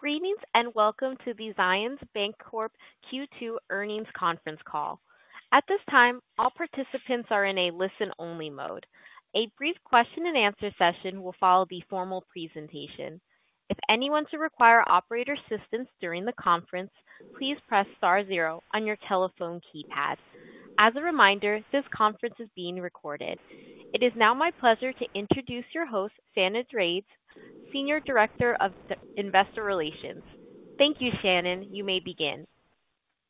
Greetings and welcome to the Zions Bancorporation Q2 Earnings Conference call. At this time, all participants are in a listen-only mode. A brief question-and-answer session will follow the formal presentation. If anyone should require operator assistance during the conference, please press star zero on your telephone keypad. As a reminder, this conference is being recorded. It is now my pleasure to introduce your host, Shannon Drage, Senior Director of Investor Relations. Thank you, Shannon. You may begin.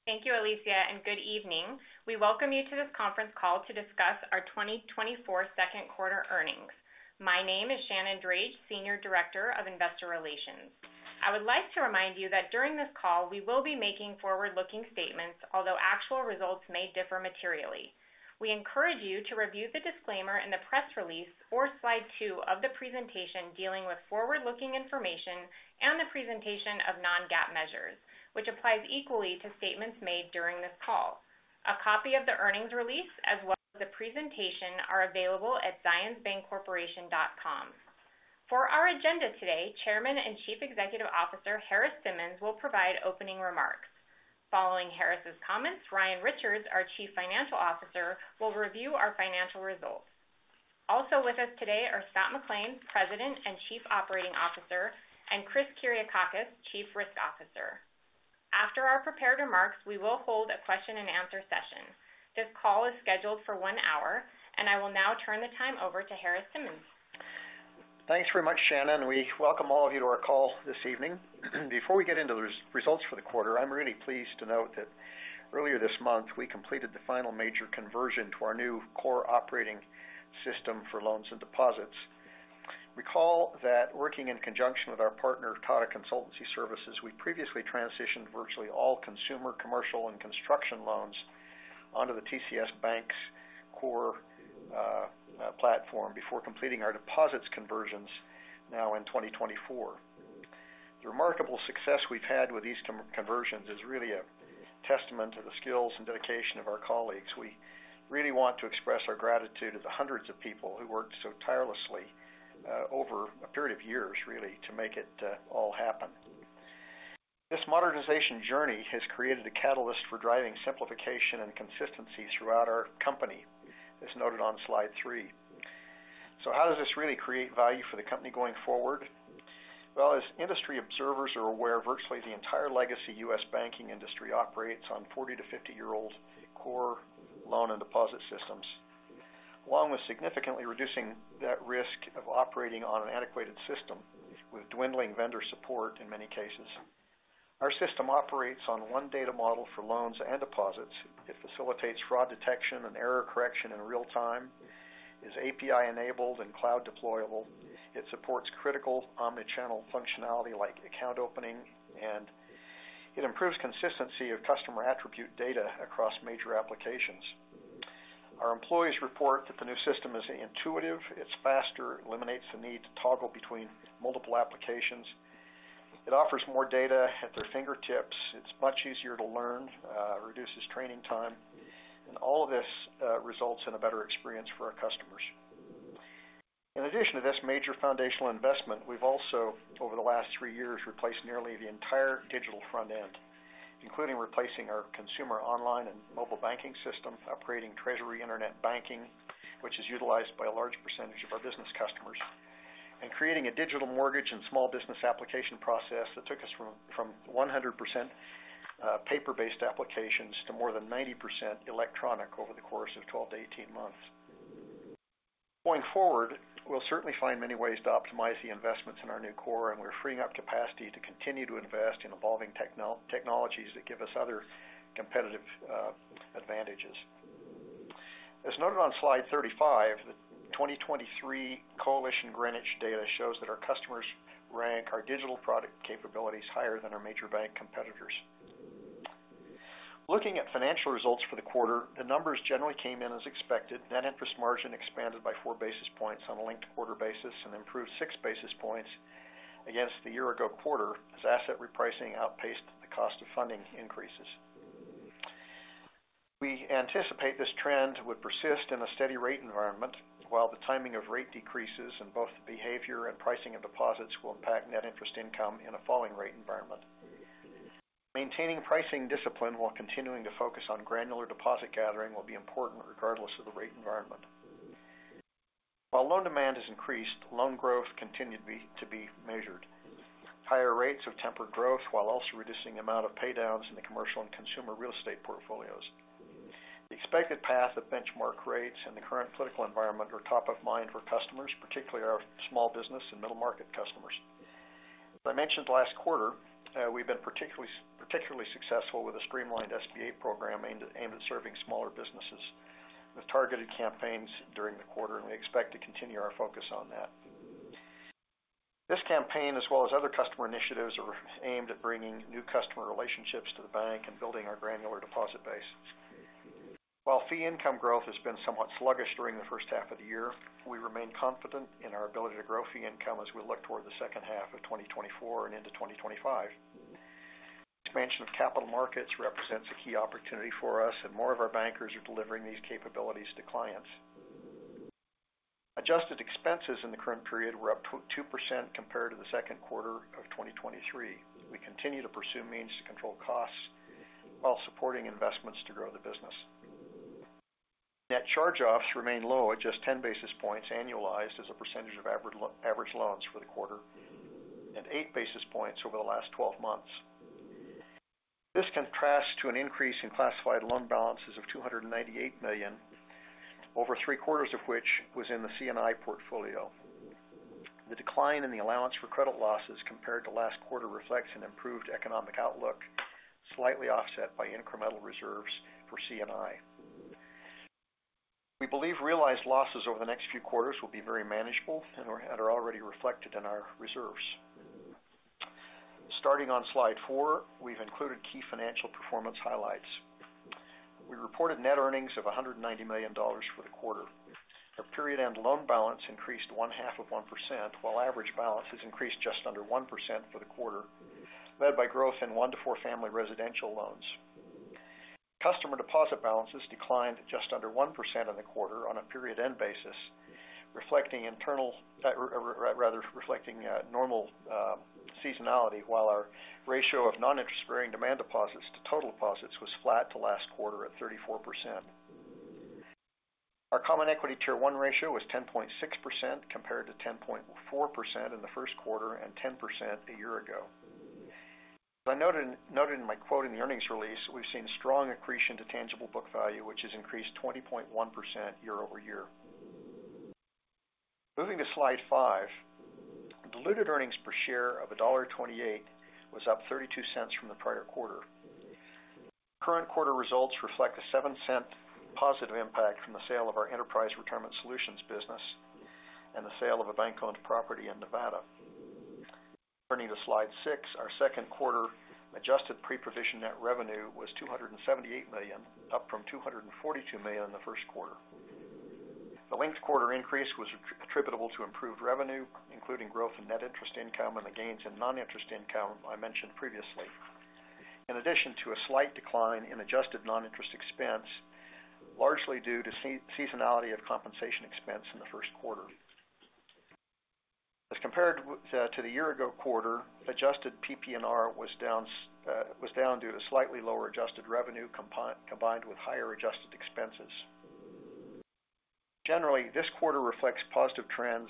Thank you, Alicia, and good evening. We welcome you to this conference call to discuss our 2024 second quarter earnings. My name is Shannon Drage, Senior Director of Investor Relations. I would like to remind you that during this call, we will be making forward-looking statements, although actual results may differ materially. We encourage you to review the disclaimer in the press release or slide two of the presentation dealing with forward-looking information and the presentation of non-GAAP measures, which applies equally to statements made during this call. A copy of the earnings release as well as the presentation are available at zionsbancorporation.com. For our agenda today, Chairman and Chief Executive Officer Harris Simmons will provide opening remarks. Following Harris's comments, Ryan Richards, our Chief Financial Officer, will review our financial results. Also with us today are Scott McLean, President and Chief Operating Officer, and Chris Kyriakakis, Chief Risk Officer. After our prepared remarks, we will hold a question-and-answer session. This call is scheduled for one hour, and I will now turn the time over to Harris Simmons. Thanks very much, Shannon. We welcome all of you to our call this evening. Before we get into the results for the quarter, I'm really pleased to note that earlier this month, we completed the final major conversion to our new core operating system for loans and deposits. Recall that working in conjunction with our partner, Tata Consultancy Services, we previously transitioned virtually all consumer, commercial, and construction loans onto the TCS BaNCS core platform before completing our deposits conversions now in 2024. The remarkable success we've had with these conversions is really a testament to the skills and dedication of our colleagues. We really want to express our gratitude to the hundreds of people who worked so tirelessly over a period of years, really, to make it all happen. This modernization journey has created a catalyst for driving simplification and consistency throughout our company, as noted on slide three. So how does this really create value for the company going forward? Well, as industry observers are aware, virtually the entire legacy U.S. banking industry operates on 40- to 50-year-old core loan and deposit systems, along with significantly reducing that risk of operating on an antiquated system with dwindling vendor support in many cases. Our system operates on one data model for loans and deposits. It facilitates fraud detection and error correction in real time. It is API-enabled and cloud deployable. It supports critical omnichannel functionality like account opening, and it improves consistency of customer attribute data across major applications. Our employees report that the new system is intuitive. It's faster, eliminates the need to toggle between multiple applications. It offers more data at their fingertips. It's much easier to learn, reduces training time, and all of this results in a better experience for our customers. In addition to this major foundational investment, we've also, over the last three years, replaced nearly the entire digital front end, including replacing our consumer online and mobile banking system, upgrading Treasury Internet Banking, which is utilized by a large percentage of our business customers, and creating a digital mortgage and small business application process that took us from 100% paper-based applications to more than 90% electronic over the course of 12-18 months. Going forward, we'll certainly find many ways to optimize the investments in our new core, and we're freeing up capacity to continue to invest in evolving technologies that give us other competitive advantages. As noted on slide 35, the 2023 Coalition Greenwich data shows that our customers rank our digital product capabilities higher than our major bank competitors. Looking at financial results for the quarter, the numbers generally came in as expected. Net interest margin expanded by four basis points on a linked quarter basis and improved six basis points against the year-ago quarter as asset repricing outpaced the cost of funding increases. We anticipate this trend would persist in a steady rate environment, while the timing of rate decreases in both behavior and pricing of deposits will impact net interest income in a falling rate environment. Maintaining pricing discipline while continuing to focus on granular deposit gathering will be important regardless of the rate environment. While loan demand has increased, loan growth continued to be measured. Higher rates have tempered growth while also reducing the amount of paydowns in the commercial and consumer real estate portfolios. The expected path of benchmark rates and the current political environment are top of mind for customers, particularly our small business and middle-market customers. As I mentioned last quarter, we've been particularly successful with a streamlined SBA program aimed at serving smaller businesses with targeted campaigns during the quarter, and we expect to continue our focus on that. This campaign, as well as other customer initiatives, are aimed at bringing new customer relationships to the bank and building our granular deposit base. While fee income growth has been somewhat sluggish during the first half of the year, we remain confident in our ability to grow fee income as we look toward the second half of 2024 and into 2025. Expansion of capital markets represents a key opportunity for us, and more of our bankers are delivering these capabilities to clients. Adjusted expenses in the current period were up 2% compared to the second quarter of 2023. We continue to pursue means to control costs while supporting investments to grow the business. Net charge-offs remain low at just 10 basis points annualized as a percentage of average loans for the quarter and eight basis points over the last 12 months. This contrasts to an increase in classified loan balances of $298 million, over three-quarters of which was in the C&I portfolio. The decline in the allowance for credit losses compared to last quarter reflects an improved economic outlook, slightly offset by incremental reserves for C&I. We believe realized losses over the next few quarters will be very manageable and are already reflected in our reserves. Starting on slide four, we've included key financial performance highlights. We reported net earnings of $190 million for the quarter. Our period-end loan balance increased 0.5%, while average balance has increased just under 1% for the quarter, led by growth in one- to four-family residential loans. Customer deposit balances declined just under 1% in the quarter on a period-end basis, reflecting normal seasonality, while our ratio of non-interest-bearing demand deposits to total deposits was flat to last quarter at 34%. Our Common Equity Tier 1 ratio was 10.6% compared to 10.4% in the first quarter and 10% a year ago. As I noted in my quote in the earnings release, we've seen strong accretion to tangible book value, which has increased 20.1% year-over-year. Moving to slide five, diluted earnings per share of $1.28 was up $0.32 from the prior quarter. Current quarter results reflect a $0.07 positive impact from the sale of our Enterprise Retirement Solutions business and the sale of a bank-owned property in Nevada. Turning to slide six, our second quarter adjusted Pre-Provision Net Revenue was $278 million, up from $242 million in the first quarter. The linked quarter increase was attributable to improved revenue, including growth in net interest income and the gains in non-interest income I mentioned previously, in addition to a slight decline in adjusted non-interest expense, largely due to seasonality of compensation expense in the first quarter. As compared to the year-ago quarter, adjusted PPNR was down due to slightly lower adjusted revenue combined with higher adjusted expenses. Generally, this quarter reflects positive trends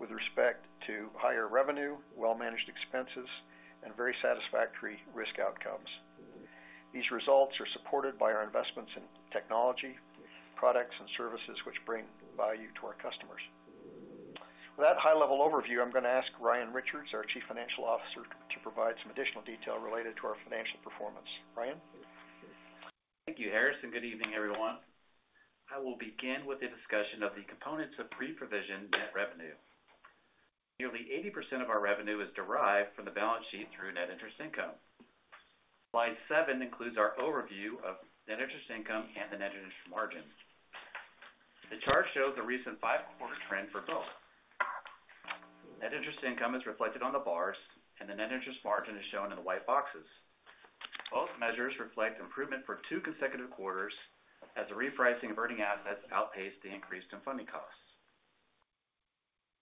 with respect to higher revenue, well-managed expenses, and very satisfactory risk outcomes. These results are supported by our investments in technology, products, and services which bring value to our customers. With that high-level overview, I'm going to ask Ryan Richards, our Chief Financial Officer, to provide some additional detail related to our financial performance. Ryan? Thank you, Harris. Good evening, everyone. I will begin with a discussion of the components of pre-provision net revenue. Nearly 80% of our revenue is derived from the balance sheet through net interest income. Slide seven includes our overview of net interest income and the net interest margin. The chart shows the recent five-quarter trend for both. Net interest income is reflected on the bars, and the net interest margin is shown in the white boxes. Both measures reflect improvement for two consecutive quarters as the repricing of earning assets outpaced the increase in funding costs.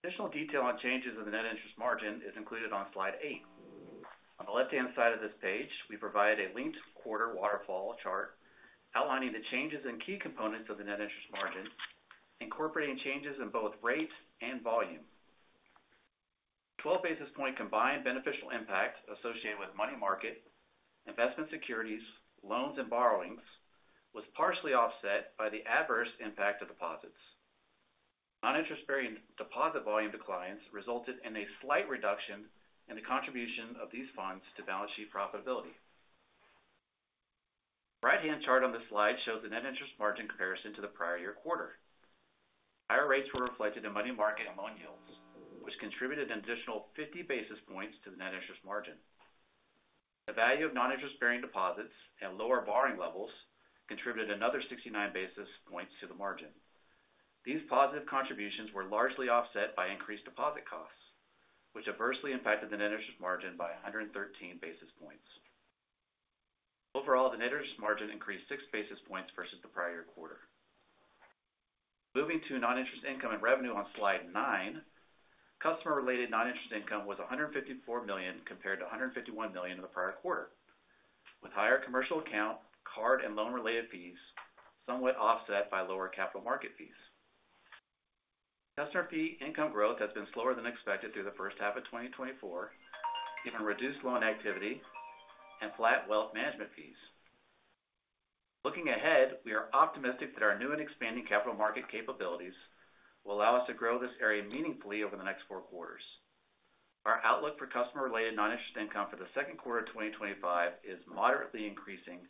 Additional detail on changes in the net interest margin is included on slide eight. On the left-hand side of this page, we provide a linked quarter waterfall chart outlining the changes in key components of the net interest margin, incorporating changes in both rate and volume. The 12 basis point combined beneficial impact associated with money market, investment securities, loans, and borrowings was partially offset by the adverse impact of deposits. Non-interest-bearing deposit volume declines resulted in a slight reduction in the contribution of these funds to balance sheet profitability. The right-hand chart on this slide shows the net interest margin comparison to the prior year quarter. Higher rates were reflected in money market and loan yields, which contributed an additional 50 basis points to the net interest margin. The value of non-interest-bearing deposits and lower borrowing levels contributed another 69 basis points to the margin. These positive contributions were largely offset by increased deposit costs, which adversely impacted the net interest margin by 113 basis points. Overall, the net interest margin increased six basis points versus the prior year quarter. Moving to non-interest income and revenue on slide nine, customer-related non-interest income was $154 million compared to $151 million in the prior quarter, with higher commercial account, card, and loan-related fees somewhat offset by lower capital market fees. Customer fee income growth has been slower than expected through the first half of 2024, given reduced loan activity and flat wealth management fees. Looking ahead, we are optimistic that our new and expanding capital market capabilities will allow us to grow this area meaningfully over the next four quarters. Our outlook for customer-related non-interest income for the second quarter of 2025 is moderately increasing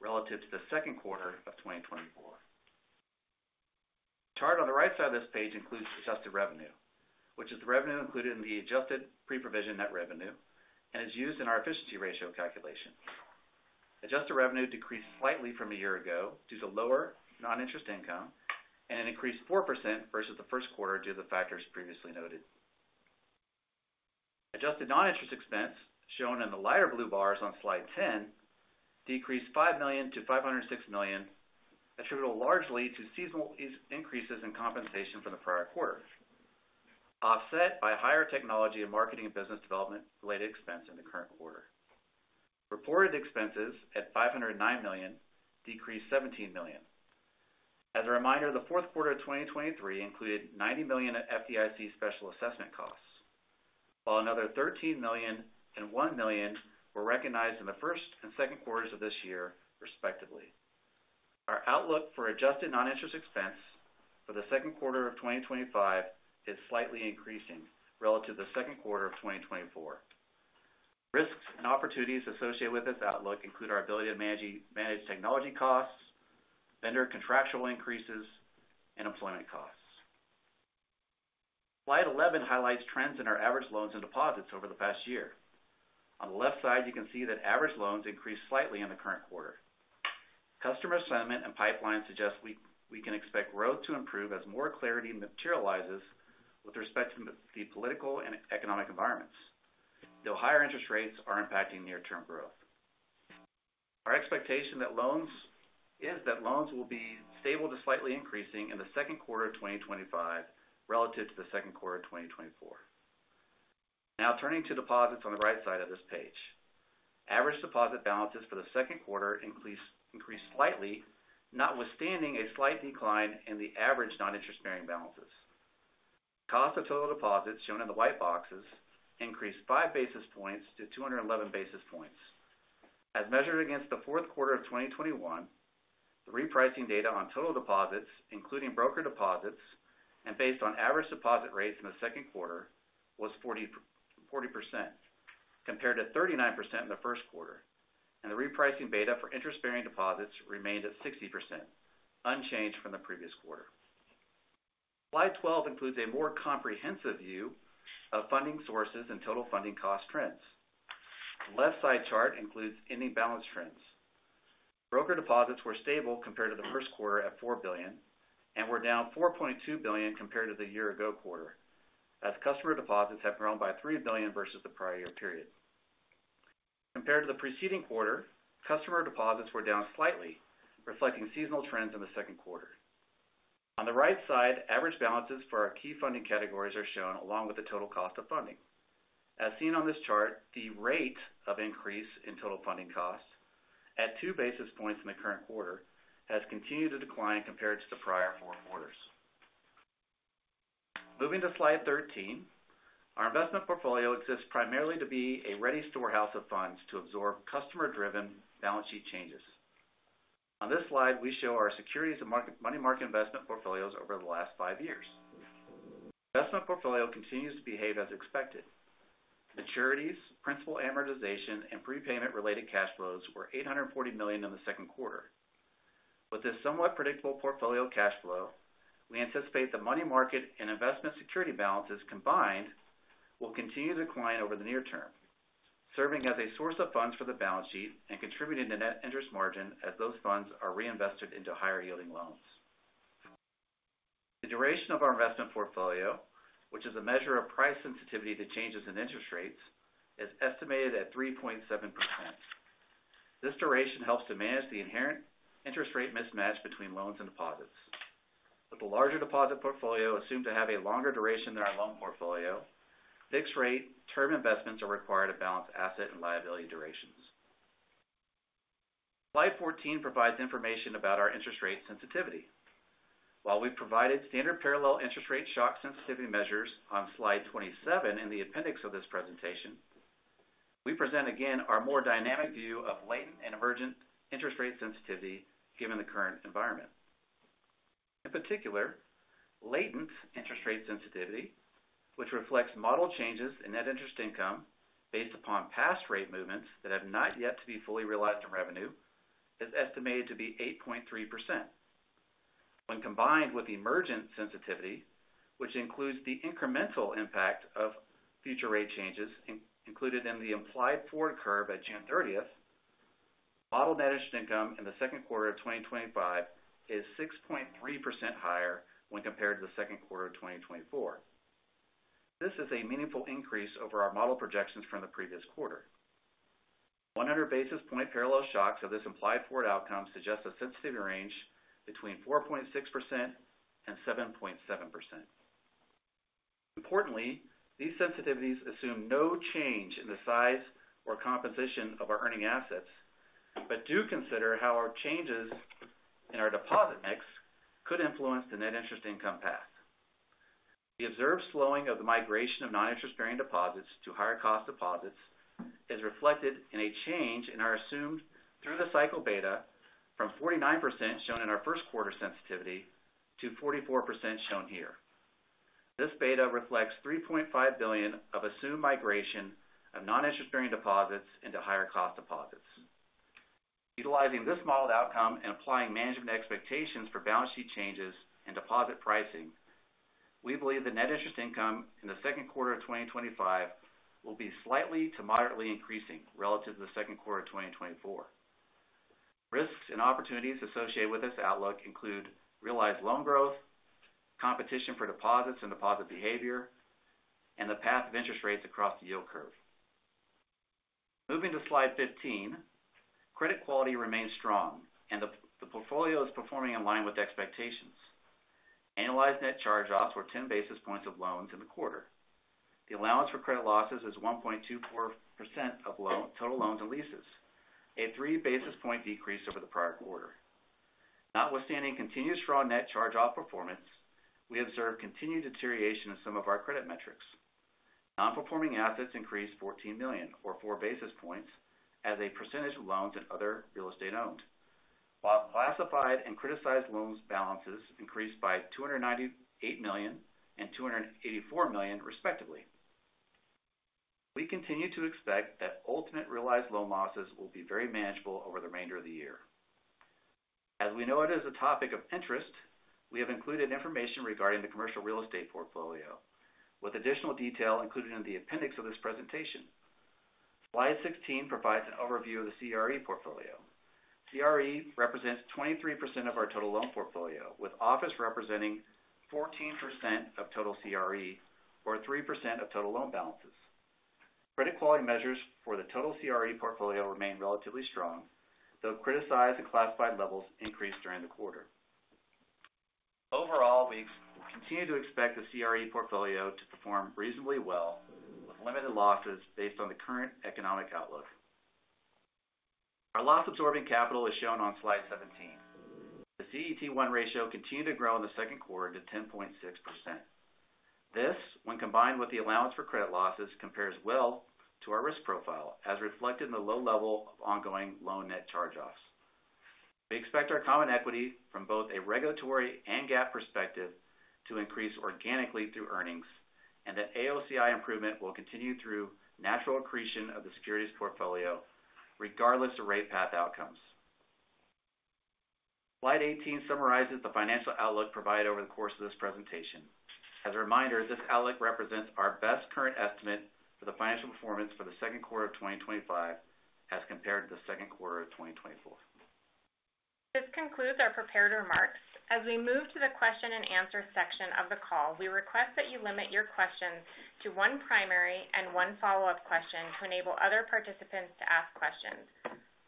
relative to the second quarter of 2024. The chart on the right side of this page includes adjusted revenue, which is the revenue included in the adjusted pre-provision net revenue and is used in our efficiency ratio calculation. Adjusted revenue decreased slightly from a year ago due to lower non-interest income and an increase of 4% versus the first quarter due to the factors previously noted. Adjusted non-interest expense, shown in the lighter blue bars on slide 10, decreased $5 million to $506 million, attributable largely to seasonal increases in compensation for the prior quarter, offset by higher technology and marketing and business development-related expense in the current quarter. Reported expenses at $509 million decreased $17 million. As a reminder, the fourth quarter of 2023 included $90 million FDIC special assessment costs, while another $13 million and $1 million were recognized in the first and second quarters of this year, respectively. Our outlook for adjusted non-interest expense for the second quarter of 2025 is slightly increasing relative to the second quarter of 2024. Risks and opportunities associated with this outlook include our ability to manage technology costs, vendor contractual increases, and employment costs. Slide 11 highlights trends in our average loans and deposits over the past year. On the left side, you can see that average loans increased slightly in the current quarter. Customer assignment and pipeline suggest we can expect growth to improve as more clarity materializes with respect to the political and economic environments, though higher interest rates are impacting near-term growth. Our expectation is that loans will be stable to slightly increasing in the second quarter of 2025 relative to the second quarter of 2024. Now, turning to deposits on the right side of this page, average deposit balances for the second quarter increased slightly, notwithstanding a slight decline in the average non-interest-bearing balances. Cost of total deposits, shown in the white boxes, increased five basis points to 211 basis points. As measured against the fourth quarter of 2021, the repricing data on total deposits, including brokered deposits and based on average deposit rates in the second quarter, was 40% compared to 39% in the first quarter, and the repricing beta for interest-bearing deposits remained at 60%, unchanged from the previous quarter. Slide 12 includes a more comprehensive view of funding sources and total funding cost trends. The left-side chart includes ending balance trends. Brokered deposits were stable compared to the first quarter at $4 billion and were down $4.2 billion compared to the year-ago quarter, as customer deposits have grown by $3 billion versus the prior year period. Compared to the preceding quarter, customer deposits were down slightly, reflecting seasonal trends in the second quarter. On the right side, average balances for our key funding categories are shown along with the total cost of funding. As seen on this chart, the rate of increase in total funding costs at two basis points in the current quarter has continued to decline compared to the prior four quarters. Moving to slide 13, our investment portfolio exists primarily to be a ready storehouse of funds to absorb customer-driven balance sheet changes. On this slide, we show our securities and money market investment portfolios over the last five years. Investment portfolio continues to behave as expected. Maturities, principal amortization, and prepayment-related cash flows were $840 million in the second quarter. With this somewhat predictable portfolio cash flow, we anticipate the money market and investment security balances combined will continue to decline over the near term, serving as a source of funds for the balance sheet and contributing to net interest margin as those funds are reinvested into higher-yielding loans. The duration of our investment portfolio, which is a measure of price sensitivity to changes in interest rates, is estimated at 3.7%. This duration helps to manage the inherent interest rate mismatch between loans and deposits. With a larger deposit portfolio assumed to have a longer duration than our loan portfolio, fixed-rate term investments are required to balance asset and liability durations. Slide 14 provides information about our interest rate sensitivity. While we've provided standard parallel interest rate shock sensitivity measures on slide 27 in the appendix of this presentation, we present again our more dynamic view of latent and emergent interest rate sensitivity given the current environment. In particular, latent interest rate sensitivity, which reflects model changes in net interest income based upon past rate movements that have not yet to be fully realized in revenue, is estimated to be 8.3%. When combined with emergent sensitivity, which includes the incremental impact of future rate changes included in the implied forward curve at June 30th, model net interest income in the second quarter of 2025 is 6.3% higher when compared to the second quarter of 2024. This is a meaningful increase over our model projections from the previous quarter. 100 basis point parallel shocks of this implied forward outcome suggest a sensitivity range between 4.6% and 7.7%. Importantly, these sensitivities assume no change in the size or composition of our earning assets, but do consider how our changes in our deposit mix could influence the net interest income path. The observed slowing of the migration of non-interest-bearing deposits to higher-cost deposits is reflected in a change in our assumed through-the-cycle beta from 49% shown in our first quarter sensitivity to 44% shown here. This beta reflects $3.5 billion of assumed migration of non-interest-bearing deposits into higher-cost deposits. Utilizing this model outcome and applying management expectations for balance sheet changes and deposit pricing, we believe the net interest income in the second quarter of 2025 will be slightly to moderately increasing relative to the second quarter of 2024. Risks and opportunities associated with this outlook include realized loan growth, competition for deposits and deposit behavior, and the path of interest rates across the yield curve. Moving to Slide 15, credit quality remains strong, and the portfolio is performing in line with expectations. Annualized net charge-offs were 10 basis points of loans in the quarter. The allowance for credit losses is 1.24% of total loans and leases, a three basis point decrease over the prior quarter. Notwithstanding continued strong net charge-off performance, we observe continued deterioration in some of our credit metrics. Non-performing assets increased $14 million, or four basis points, as a percentage of loans and other real estate owned, while classified and criticized loans' balances increased by $298 million and $284 million, respectively. We continue to expect that ultimate realized loan losses will be very manageable over the remainder of the year. As we know it is a topic of interest, we have included information regarding the commercial real estate portfolio, with additional detail included in the appendix of this presentation. Slide 16 provides an overview of the CRE portfolio. CRE represents 23% of our total loan portfolio, with office representing 14% of total CRE, or 3% of total loan balances. Credit quality measures for the total CRE portfolio remain relatively strong, though criticized and classified levels increased during the quarter. Overall, we continue to expect the CRE portfolio to perform reasonably well, with limited losses based on the current economic outlook. Our loss-absorbing capital is shown on slide 17. The CET1 ratio continued to grow in the second quarter to 10.6%. This, when combined with the allowance for credit losses, compares well to our risk profile, as reflected in the low level of ongoing loan net charge-offs. We expect our common equity, from both a regulatory and GAAP perspective, to increase organically through earnings, and that AOCI improvement will continue through natural accretion of the securities portfolio, regardless of rate path outcomes. Slide 18 summarizes the financial outlook provided over the course of this presentation. As a reminder, this outlook represents our best current estimate for the financial performance for the second quarter of 2025 as compared to the second quarter of 2024. This concludes our prepared remarks. As we move to the question-and-answer section of the call, we request that you limit your questions to one primary and one follow-up question to enable other participants to ask questions.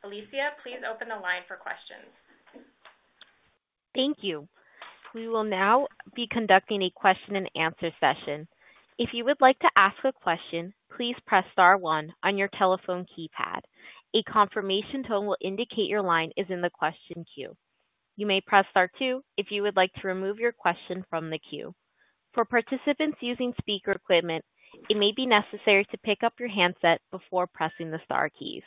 Alicia, please open the line for questions. Thank you. We will now be conducting a question-and-answer session. If you would like to ask a question, please press star one on your telephone keypad. A confirmation tone will indicate your line is in the question queue. You may press star two if you would like to remove your question from the queue. For participants using speaker equipment, it may be necessary to pick up your handset before pressing the star keys.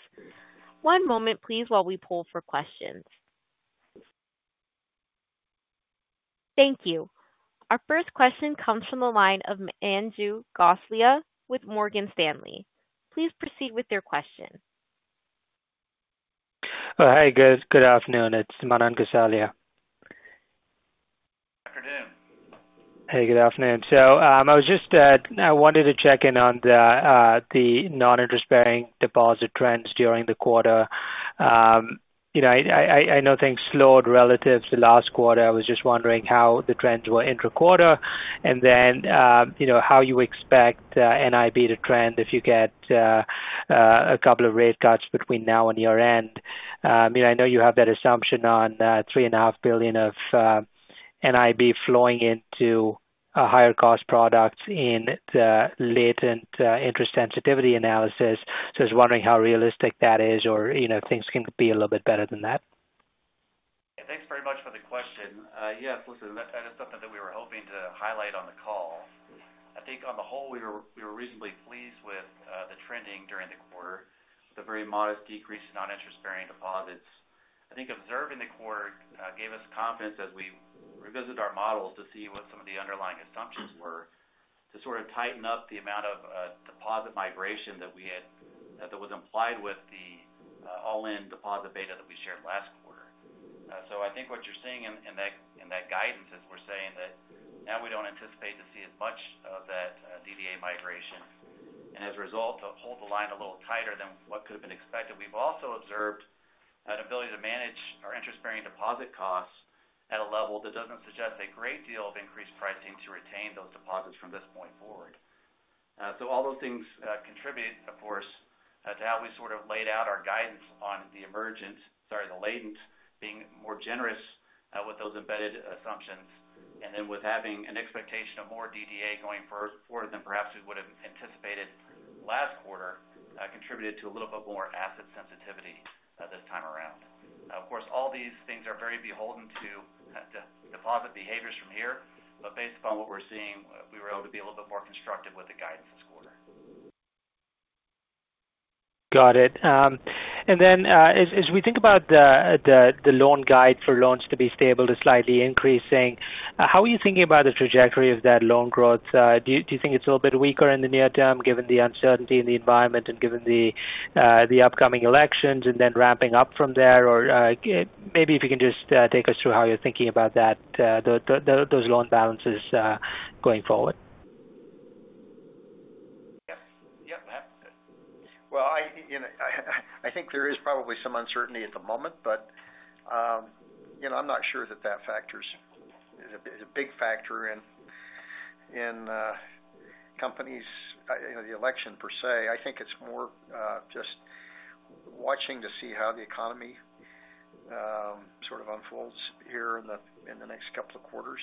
One moment, please, while we pull for questions. Thank you. Our first question comes from the line of Manan Gosalia with Morgan Stanley. Please proceed with your question. Hi, good afternoon. It's Manan Gosalia. Good afternoon. Hey, good afternoon. So I was just—I wanted to check in on the non-interest-bearing deposit trends during the quarter. You know, I know things slowed relative to last quarter. I was just wondering how the trends were intra-quarter and then how you expect NIB to trend if you get a couple of rate cuts between now and year-end. I know you have that assumption on $3.5 billion of NIB flowing into higher-cost products in the latent interest sensitivity analysis. So I was wondering how realistic that is or things can be a little bit better than that? Thanks very much for the question. Yes, listen, that is something that we were hoping to highlight on the call. I think on the whole, we were reasonably pleased with the trending during the quarter, the very modest decrease in non-interest-bearing deposits. I think observing the quarter gave us confidence as we revisited our models to see what some of the underlying assumptions were to sort of tighten up the amount of deposit migration that was implied with the all-in deposit beta that we shared last quarter. So I think what you're seeing in that guidance is we're saying that now we don't anticipate to see as much of that DDA migration and, as a result, to hold the line a little tighter than what could have been expected. We've also observed an ability to manage our interest-bearing deposit costs at a level that doesn't suggest a great deal of increased pricing to retain those deposits from this point forward. So all those things contribute, of course, to how we sort of laid out our guidance on the emergent-sorry, the latent-being more generous with those embedded assumptions. And then with having an expectation of more DDA going forward than perhaps we would have anticipated last quarter, contributed to a little bit more asset sensitivity this time around. Of course, all these things are very beholden to deposit behaviors from here, but based upon what we're seeing, we were able to be a little bit more constructive with the guidance this quarter. Got it. And then as we think about the loan guide for loans to be stable to slightly increasing, how are you thinking about the trajectory of that loan growth? Do you think it's a little bit weaker in the near term given the uncertainty in the environment and given the upcoming elections and then ramping up from there? Or maybe if you can just take us through how you're thinking about those loan balances going forward. Yep, yep, that's good. Well, I think there is probably some uncertainty at the moment, but I'm not sure that that factor is a big factor in companies' election per se. I think it's more just watching to see how the economy sort of unfolds here in the next couple of quarters.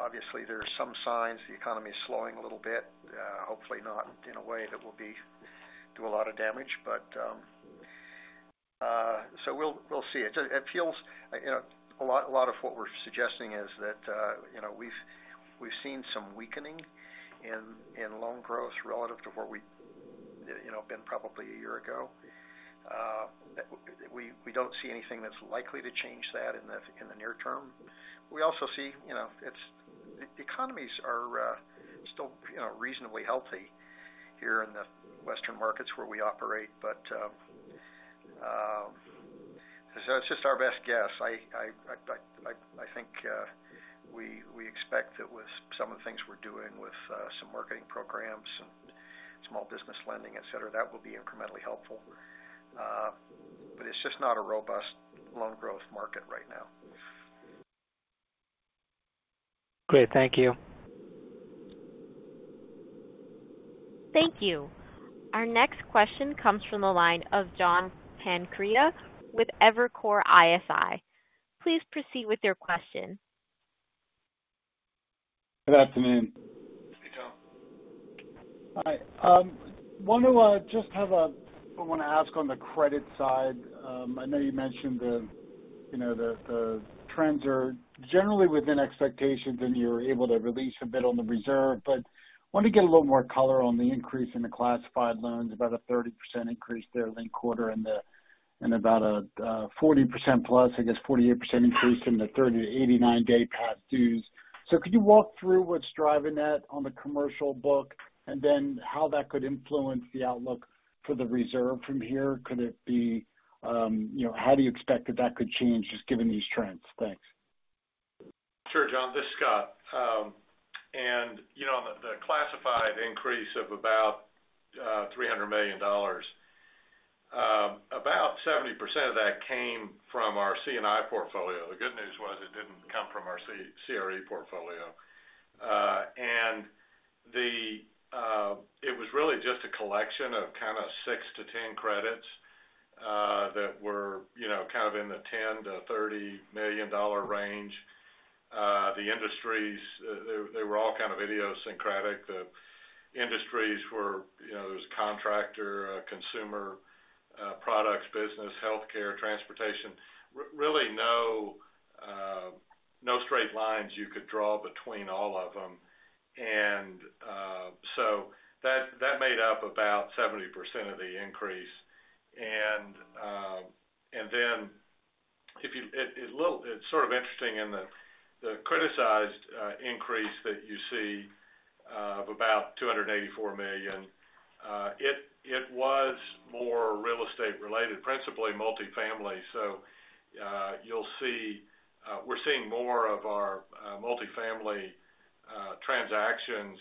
Obviously, there are some signs the economy is slowing a little bit, hopefully not in a way that will do a lot of damage, but so we'll see. It feels a lot of what we're suggesting is that we've seen some weakening in loan growth relative to what we've been probably a year ago. We don't see anything that's likely to change that in the near term. We also see the economies are still reasonably healthy here in the Western markets where we operate, but it's just our best guess. I think we expect that with some of the things we're doing with some marketing programs and small business lending, etc., that will be incrementally helpful. But it's just not a robust loan growth market right now. Great, thank you. Thank you. Our next question comes from the line of John Pancari with Evercore ISI. Please proceed with your question. Good afternoon. How are you doing? Hi. I want to just have a—I want to ask on the credit side. I know you mentioned the trends are generally within expectations and you were able to release a bit on the reserve, but I want to get a little more color on the increase in the classified loans, about a 30% increase there in the quarter and about a 40% plus, I guess 48% increase in the 30 to 89-day past dues. So could you walk through what's driving that on the commercial book and then how that could influence the outlook for the reserve from here? Could it be, how do you expect that that could change just given these trends? Thanks. Sure, John, this is Scott. The classified increase of about $300 million, about 70% of that came from our C&I portfolio. The good news was it didn't come from our CRE portfolio. It was really just a collection of kind of 6-10 credits that were kind of in the $10 million-$30 million range. The industries, they were all kind of idiosyncratic. The industries were, there was a contractor, consumer products, business, healthcare, transportation. Really no straight lines you could draw between all of them. So that made up about 70% of the increase. Then it's sort of interesting in the criticized increase that you see of about $284 million. It was more real estate related, principally multifamily. So you'll see we're seeing more of our multifamily transactions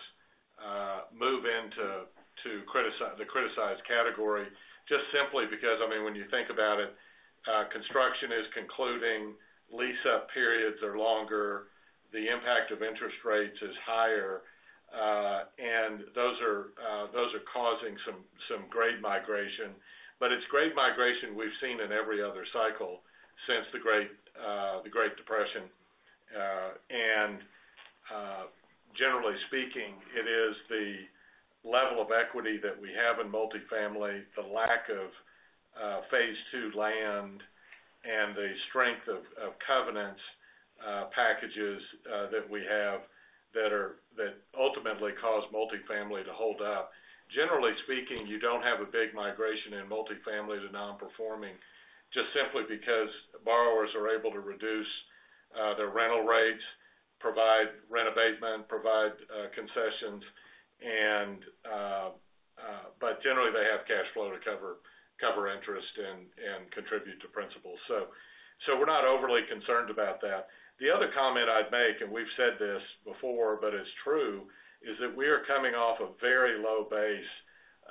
move into the criticized category just simply because, I mean, when you think about it, construction is concluding, lease-up periods are longer, the impact of interest rates is higher, and those are causing some grade migration. But it's great migration we've seen in every other cycle since the Great Depression. And generally speaking, it is the level of equity that we have in multifamily, the lack of Phase II land, and the strength of covenants packages that we have that ultimately cause multifamily to hold up. Generally speaking, you don't have a big migration in multifamily to non-performing just simply because borrowers are able to reduce their rental rates, provide rent abatement, provide concessions. But generally, they have cash flow to cover interest and contribute to principal. So we're not overly concerned about that. The other comment I'd make, and we've said this before, but it's true, is that we are coming off a very low base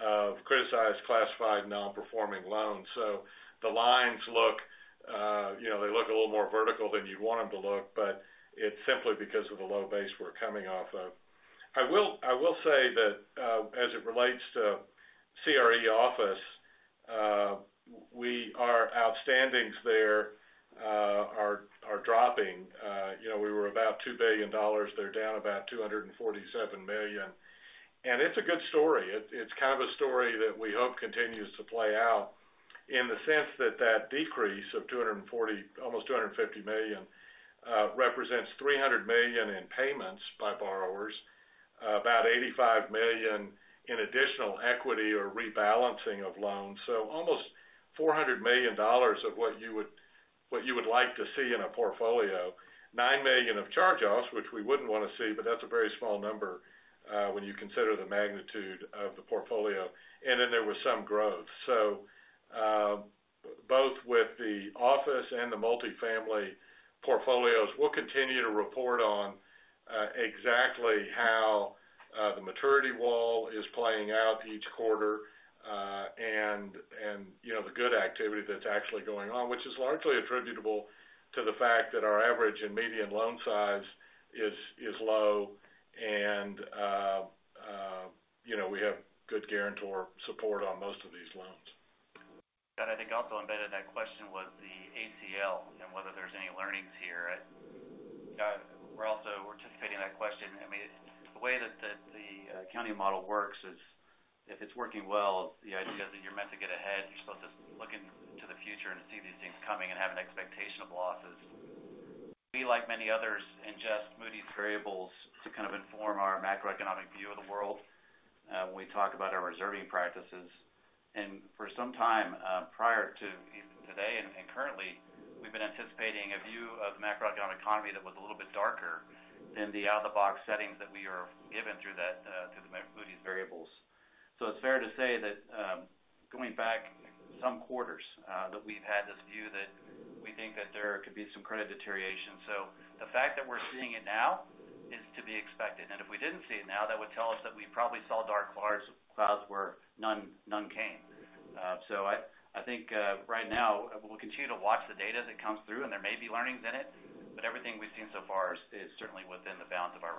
of criticized classified non-performing loans. So the lines look, they look a little more vertical than you'd want them to look, but it's simply because of the low base we're coming off of. I will say that as it relates to CRE office, our outstandings there are dropping. We were about $2 billion. They're down about $247 million. And it's a good story. It's kind of a story that we hope continues to play out in the sense that that decrease of almost $250 million represents $300 million in payments by borrowers, about $85 million in additional equity or rebalancing of loans. So almost $400 million of what you would like to see in a portfolio, $9 million of charge-offs, which we wouldn't want to see, but that's a very small number when you consider the magnitude of the portfolio. And then there was some growth. So both with the office and the multifamily portfolios, we'll continue to report on exactly how the maturity wall is playing out each quarter and the good activity that's actually going on, which is largely attributable to the fact that our average and median loan size is low and we have good guarantor support on most of these loans. And I think also embedded in that question was the ACL and whether there's any learnings here. We're also anticipating that question. I mean, the way that the accounting model works is, if it's working well, the idea is that you're meant to get ahead. You're still just looking to the future and see these things coming and have an expectation of losses. We, like many others, ingest Moody's variables to kind of inform our macroeconomic view of the world when we talk about our reserving practices. For some time prior to even today and currently, we've been anticipating a view of the macroeconomic economy that was a little bit darker than the out-of-the-box settings that we are given through the Moody's variables. It's fair to say that going back some quarters, we've had this view that we think that there could be some credit deterioration. The fact that we're seeing it now is to be expected. If we didn't see it now, that would tell us that we probably saw dark clouds where none came. So I think right now, we'll continue to watch the data that comes through, and there may be learnings in it, but everything we've seen so far is certainly within the bounds of our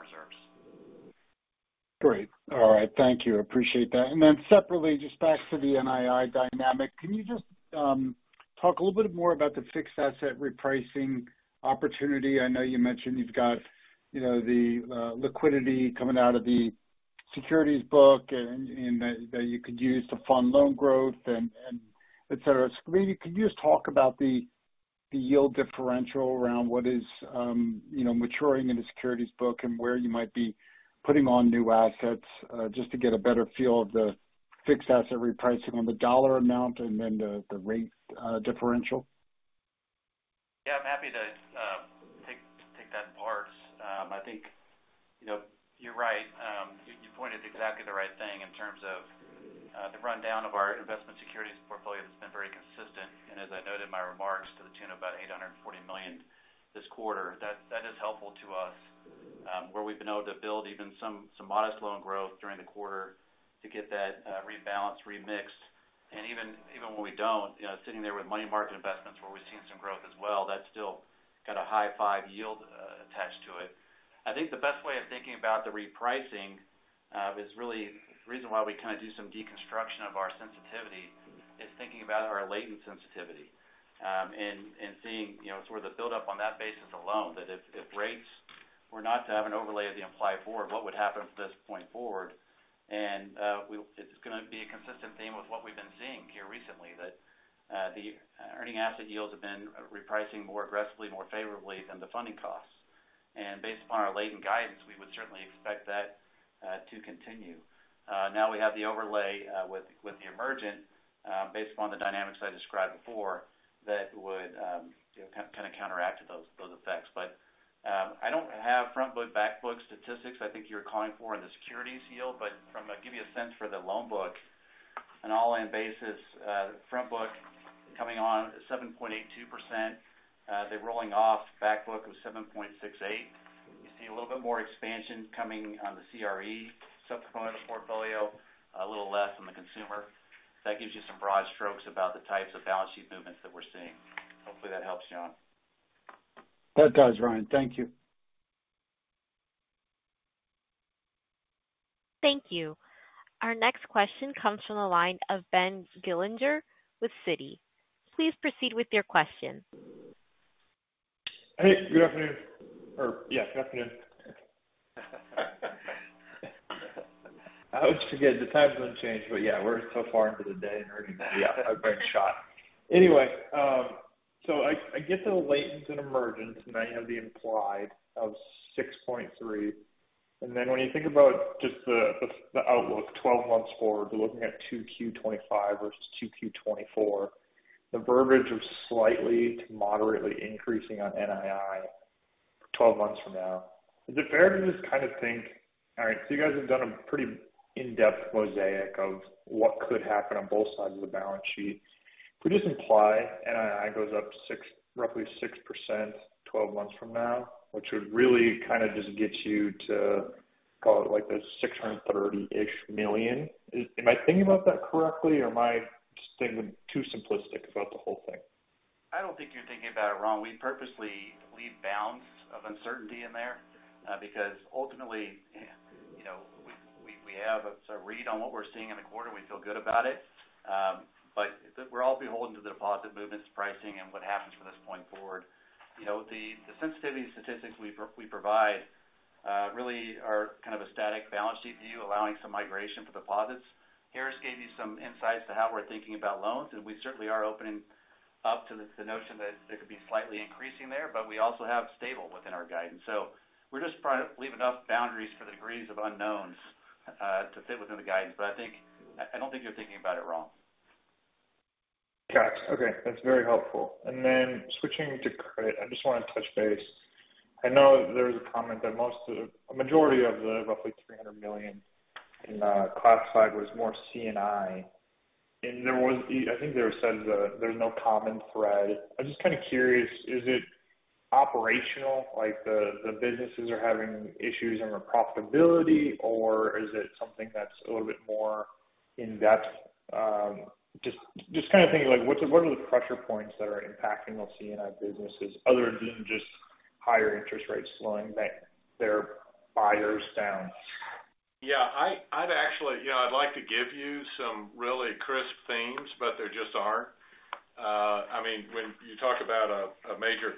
reserves. Great. All right. Thank you. Appreciate that. And then separately, just back to the NII dynamic, can you just talk a little bit more about the fixed asset repricing opportunity? I know you mentioned you've got the liquidity coming out of the securities book that you could use to fund loan growth, etc. So maybe could you just talk about the yield differential around what is maturing in the securities book and where you might be putting on new assets just to get a better feel of the fixed asset repricing on the dollar amount and then the rate differential? Yeah, I'm happy to take that in part. I think you're right. You pointed exactly the right thing in terms of the rundown of our investment securities portfolio that's been very consistent. As I noted in my remarks to the tune of about $840 million this quarter, that is helpful to us where we've been able to build even some modest loan growth during the quarter to get that rebalanced, remixed. Even when we don't, sitting there with money market investments where we've seen some growth as well, that's still got a high 5% yield attached to it. I think the best way of thinking about the repricing is really the reason why we kind of do some deconstruction of our sensitivity is thinking about our latent sensitivity and seeing sort of the buildup on that basis alone, that if rates were not to have an overlay of the implied forward, what would happen from this point forward? It's going to be a consistent theme with what we've been seeing here recently, that the earning asset yields have been repricing more aggressively, more favorably than the funding costs. Based upon our latent guidance, we would certainly expect that to continue. Now we have the overlay with the emergent based upon the dynamics I described before that would kind of counteract those effects. But I don't have front book, back book statistics. I think you're calling for in the securities yield, but to give you a sense for the loan book, an all-in basis, front book coming on 7.82%. They're rolling off back book of 7.68%. You see a little bit more expansion coming on the CRE subcomponent of portfolio, a little less on the consumer. That gives you some broad strokes about the types of balance sheet movements that we're seeing. Hopefully, that helps you out. That does, Ryan. Thank you. Thank you. Our next question comes from the line of Ben Gerlinger with Citi. Please proceed with your question. Hey, good afternoon. Or yeah, good afternoon. I always forget the time zone change, but yeah, we're so far into the day and we're in a great shot. Anyway, so I get the latent and emergent, and now you have the implied of 6.3%. And then when you think about just the outlook 12 months forward, we're looking at 2Q25 versus 2Q24. The verbiage was slightly to moderately increasing on NII 12 months from now. Is it fair to just kind of think, all right, so you guys have done a pretty in-depth mosaic of what could happen on both sides of the balance sheet. Could you just imply NII goes up roughly 6% 12 months from now, which would really kind of just get you to, call it like the $630-ish million? Am I thinking about that correctly, or am I just thinking too simplistic about the whole thing? I don't think you're thinking about it wrong. We purposely leave bounds of uncertainty in there because ultimately, we have a read on what we're seeing in the quarter. We feel good about it. But we're all beholden to the deposit movements, pricing, and what happens from this point forward. The sensitivity statistics we provide really are kind of a static balance sheet view, allowing some migration for deposits. Harris gave you some insights to how we're thinking about loans, and we certainly are opening up to the notion that it could be slightly increasing there, but we also have stable within our guidance. So we're just trying to leave enough boundaries for the degrees of unknowns to fit within the guidance. But I don't think you're thinking about it wrong. Gotcha. Okay. That's very helpful. And then switching to credit, I just want to touch base. I know there was a comment that a majority of the roughly $300 million in classified was more C&I. And I think there was said there's no common thread. I'm just kind of curious, is it operational? The businesses are having issues in profitability, or is it something that's a little bit more in-depth? Just kind of thinking like, what are the pressure points that are impacting those C&I businesses other than just higher interest rates slowing their buyers down? Yeah. I'd actually like to give you some really crisp themes, but there just aren't. I mean, when you talk about a major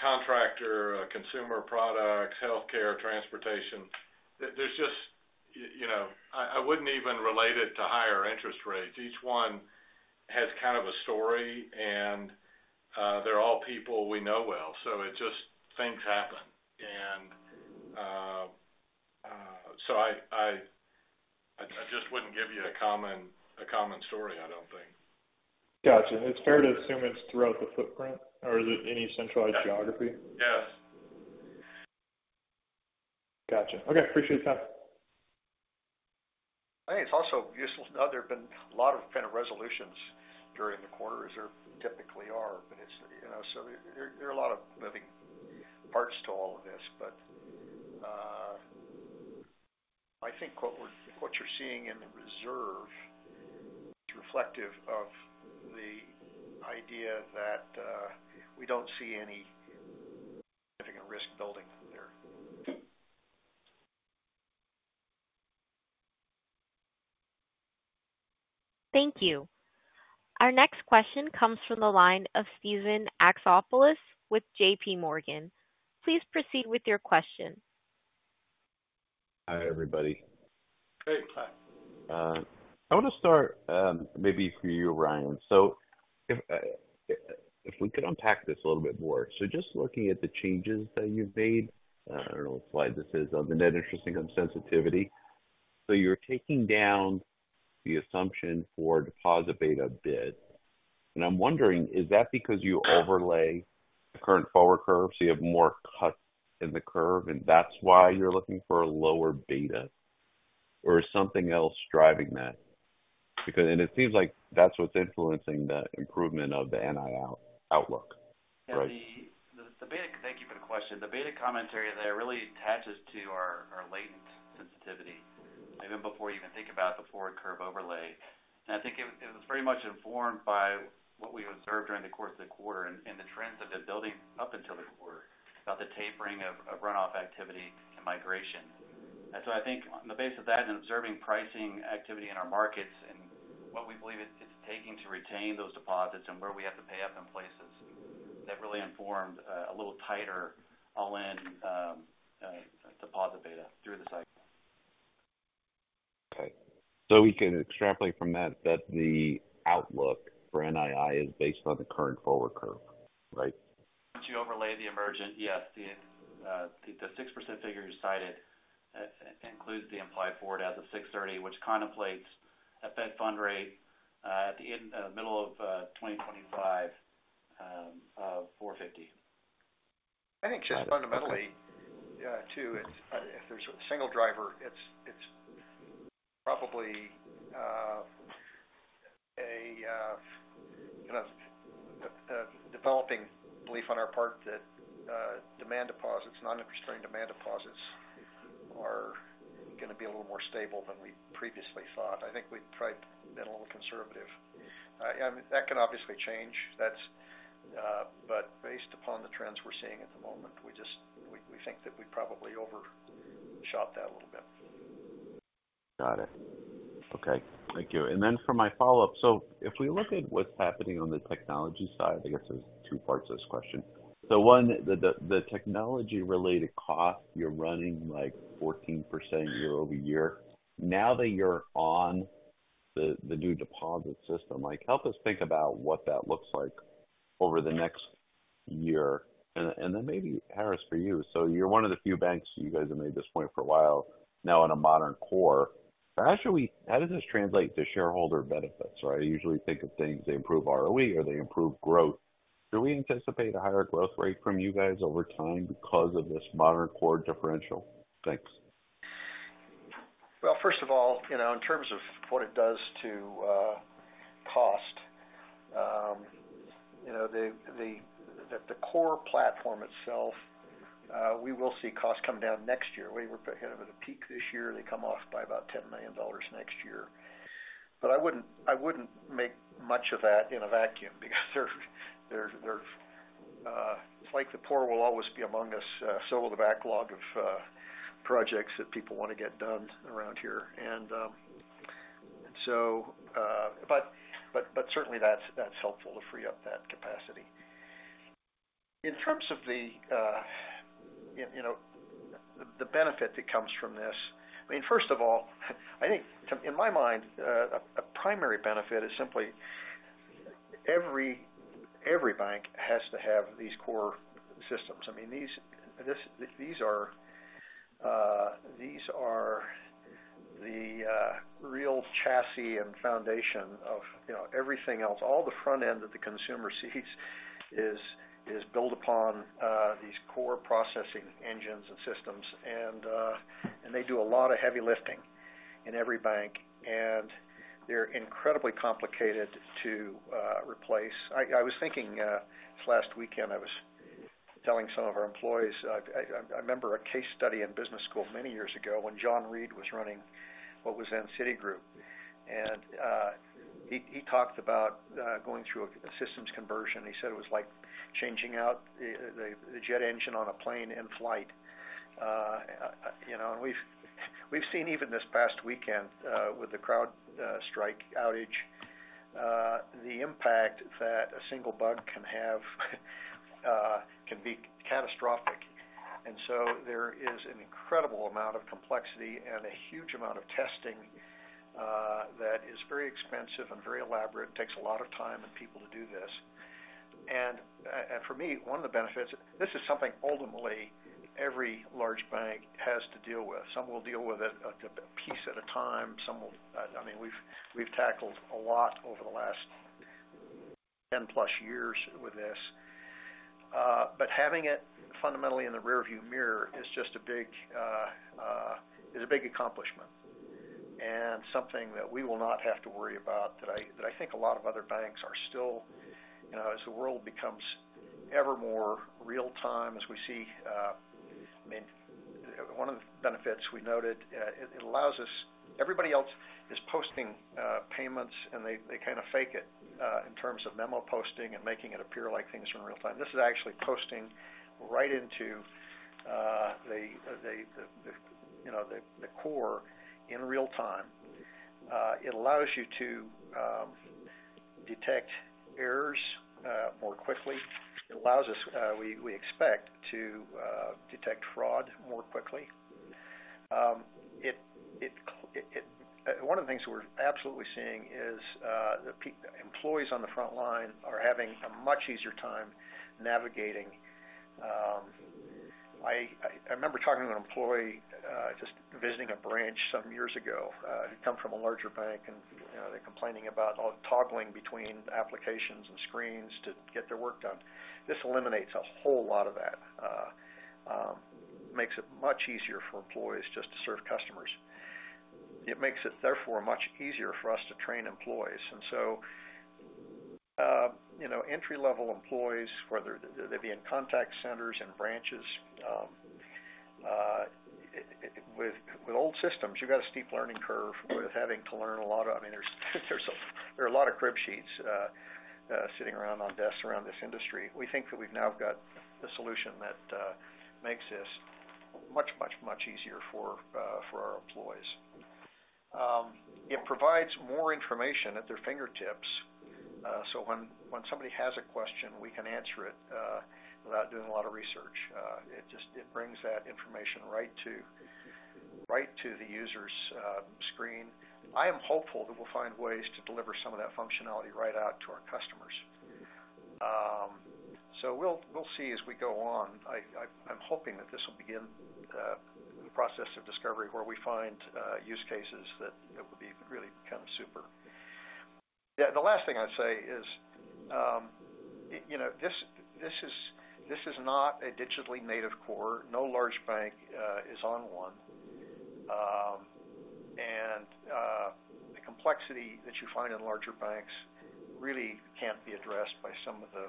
contractor, consumer products, healthcare, transportation, there's just I wouldn't even relate it to higher interest rates. Each one has kind of a story, and they're all people we know well. So it just things happen. And so I just wouldn't give you a common story, I don't think. Gotcha. It's fair to assume it's throughout the footprint, or is it any centralized geography? Yes. Gotcha. Okay. Appreciate the time. I think it's also useful to know there have been a lot of kind of resolutions during the quarter. Is there? Typically are, but so there are a lot of moving parts to all of this. But I think what you're seeing in the reserve is reflective of the idea that we don't see any significant risk building there. Thank you. Our next question comes from the line of Steven Alexopoulos with JPMorgan. Please proceed with your question. Hi, everybody. Hey. Hi. I want to start maybe for you, Ryan. So if we could unpack this a little bit more. So just looking at the changes that you've made, I don't know what slide this is, on the net interest income sensitivity. So you're taking down the assumption for deposit beta. And I'm wondering, is that because you overlay the current forward curve, so you have more cuts in the curve, and that's why you're looking for a lower beta? Or is something else driving that? And it seems like that's what's influencing the improvement of the NII outlook, right? The beta—thank you for the question. The beta commentary there really attaches to our latent sensitivity, even before you even think about the forward curve overlay. I think it was very much informed by what we observed during the course of the quarter and the trends that have been building up until the quarter about the tapering of runoff activity and migration. So I think on the basis of that and observing pricing activity in our markets and what we believe it's taking to retain those deposits and where we have to pay up in places, that really informed a little tighter all-in deposit beta through the cycle. Okay. So we can extrapolate from that that the outlook for NII is based on the current forward curve, right? Once you overlay the emergent, yes, the 6% figure you cited includes the implied forward as of 6/30, which contemplates a Fed fund rate at the middle of 2025 of 4.50%. I think just fundamentally, too, if there's a single driver, it's probably a kind of developing belief on our part that demand deposits, non-interest-bearing demand deposits are going to be a little more stable than we previously thought. I think we've tried being a little conservative. That can obviously change. But based upon the trends we're seeing at the moment, we think that we probably overshot that a little bit. Got it. Okay. Thank you. And then for my follow-up, so if we look at what's happening on the technology side, I guess there's two parts of this question. So one, the technology-related cost, you're running like 14% year-over-year. Now that you're on the new deposit system, help us think about what that looks like over the next year. And then maybe, Harris, for you. So you're one of the few banks, you guys have made this point for a while, now on a modern core. How does this translate to shareholder benefits? I usually think of things they improve ROE or they improve growth. Do we anticipate a higher growth rate from you guys over time because of this modern core differential? Thanks. Well, first of all, in terms of what it does to cost, the core platform itself, we will see costs come down next year. We were ahead of the peak this year. They come off by about $10 million next year. But I wouldn't make much of that in a vacuum because it's like the poor will always be among us, so will the backlog of projects that people want to get done around here. And so, but certainly, that's helpful to free up that capacity. In terms of the benefit that comes from this, I mean, first of all, I think in my mind, a primary benefit is simply every bank has to have these core systems. I mean, these are the real chassis and foundation of everything else. All the front end of the consumer seats is built upon these core processing engines and systems. And they do a lot of heavy lifting in every bank. And they're incredibly complicated to replace. I was thinking this last weekend, I was telling some of our employees, I remember a case study in business school many years ago when John Reed was running what was then Citigroup. And he talked about going through a systems conversion. He said it was like changing out the jet engine on a plane in flight. And we've seen even this past weekend with the CrowdStrike outage, the impact that a single bug can have can be catastrophic. And so there is an incredible amount of complexity and a huge amount of testing that is very expensive and very elaborate and takes a lot of time and people to do this. And for me, one of the benefits, this is something ultimately every large bank has to deal with. Some will deal with it a piece at a time. I mean, we've tackled a lot over the last 10+ years with this. But having it fundamentally in the rearview mirror is just a big accomplishment and something that we will not have to worry about that I think a lot of other banks are still as the world becomes ever more real-time as we see. I mean, one of the benefits we noted, it allows us everybody else is posting payments, and they kind of fake it in terms of memo posting and making it appear like things are in real time. This is actually posting right into the core in real time. It allows you to detect errors more quickly. It allows us, we expect, to detect fraud more quickly. One of the things we're absolutely seeing is the employees on the front line are having a much easier time navigating. I remember talking to an employee just visiting a branch some years ago. He'd come from a larger bank, and they're complaining about all the toggling between applications and screens to get their work done. This eliminates a whole lot of that, makes it much easier for employees just to serve customers. It makes it, therefore, much easier for us to train employees. And so entry-level employees, whether they be in contact centers and branches with old systems, you've got a steep learning curve with having to learn a lot of, I mean, there are a lot of crib sheets sitting around on desks around this industry. We think that we've now got the solution that makes this much, much, much easier for our employees. It provides more information at their fingertips. So when somebody has a question, we can answer it without doing a lot of research. It brings that information right to the user's screen. I am hopeful that we'll find ways to deliver some of that functionality right out to our customers. So we'll see as we go on. I'm hoping that this will begin the process of discovery where we find use cases that will be really kind of super. Yeah. The last thing I'd say is this is not a digitally native core. No large bank is on one. And the complexity that you find in larger banks really can't be addressed by some of the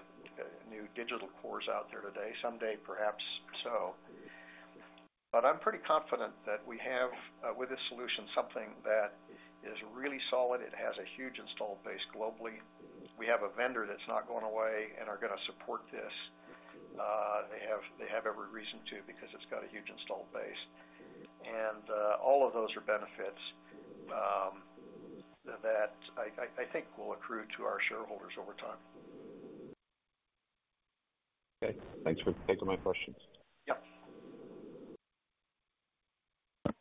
new digital cores out there today, someday, perhaps so. But I'm pretty confident that we have, with this solution, something that is really solid. It has a huge installed base globally. We have a vendor that's not going away and are going to support this. They have every reason to because it's got a huge installed base. And all of those are benefits that I think will accrue to our shareholders over time. Okay. Thanks for taking my questions. Yep.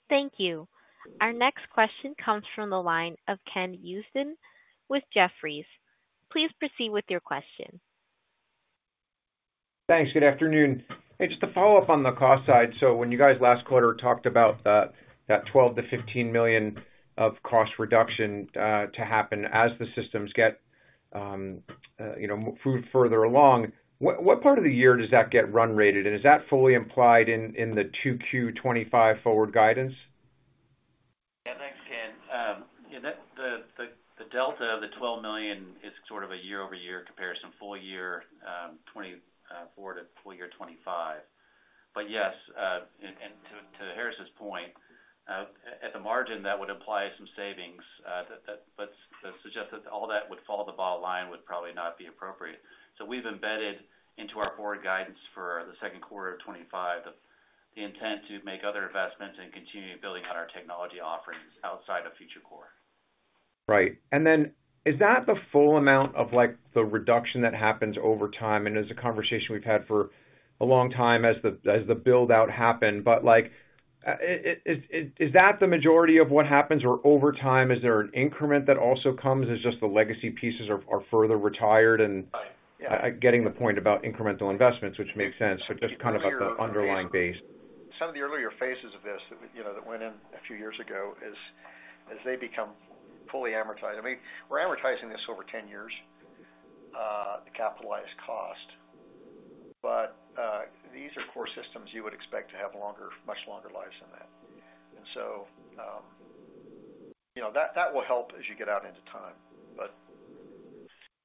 Thank you. Our next question comes from the line of Ken Usdin with Jefferies. Please proceed with your question. Thanks. Good afternoon. Just to follow up on the cost side. So when you guys last quarter talked about that $12 million-$15 million of cost reduction to happen as the systems get further along, what part of the year does that get run rated? And is that fully implied in the 2Q25 forward guidance? Yeah. Thanks, Ken. The delta of the $12 million is sort of a year-over-year comparison, full year 2024 to full year 2025. But yes, and to Harris' point, at the margin, that would imply some savings. But to suggest that all that would follow the bottom line would probably not be appropriate. So we've embedded into our forward guidance for the second quarter of 2025 the intent to make other investments and continue building on our technology offerings outside of FutureCore. Right. And then is that the full amount of the reduction that happens over time? And it's a conversation we've had for a long time as the build-out happened. But is that the majority of what happens? Or over time, is there an increment that also comes as just the legacy pieces are further retired? And getting the point about incremental investments, which makes sense, but just kind of at the underlying base. Some of the earlier phases of this that went in a few years ago, as they become fully amortized. I mean, we're amortizing this over 10 years to capitalize cost. But these are core systems you would expect to have much longer lives than that. And so that will help as you get out into time, but.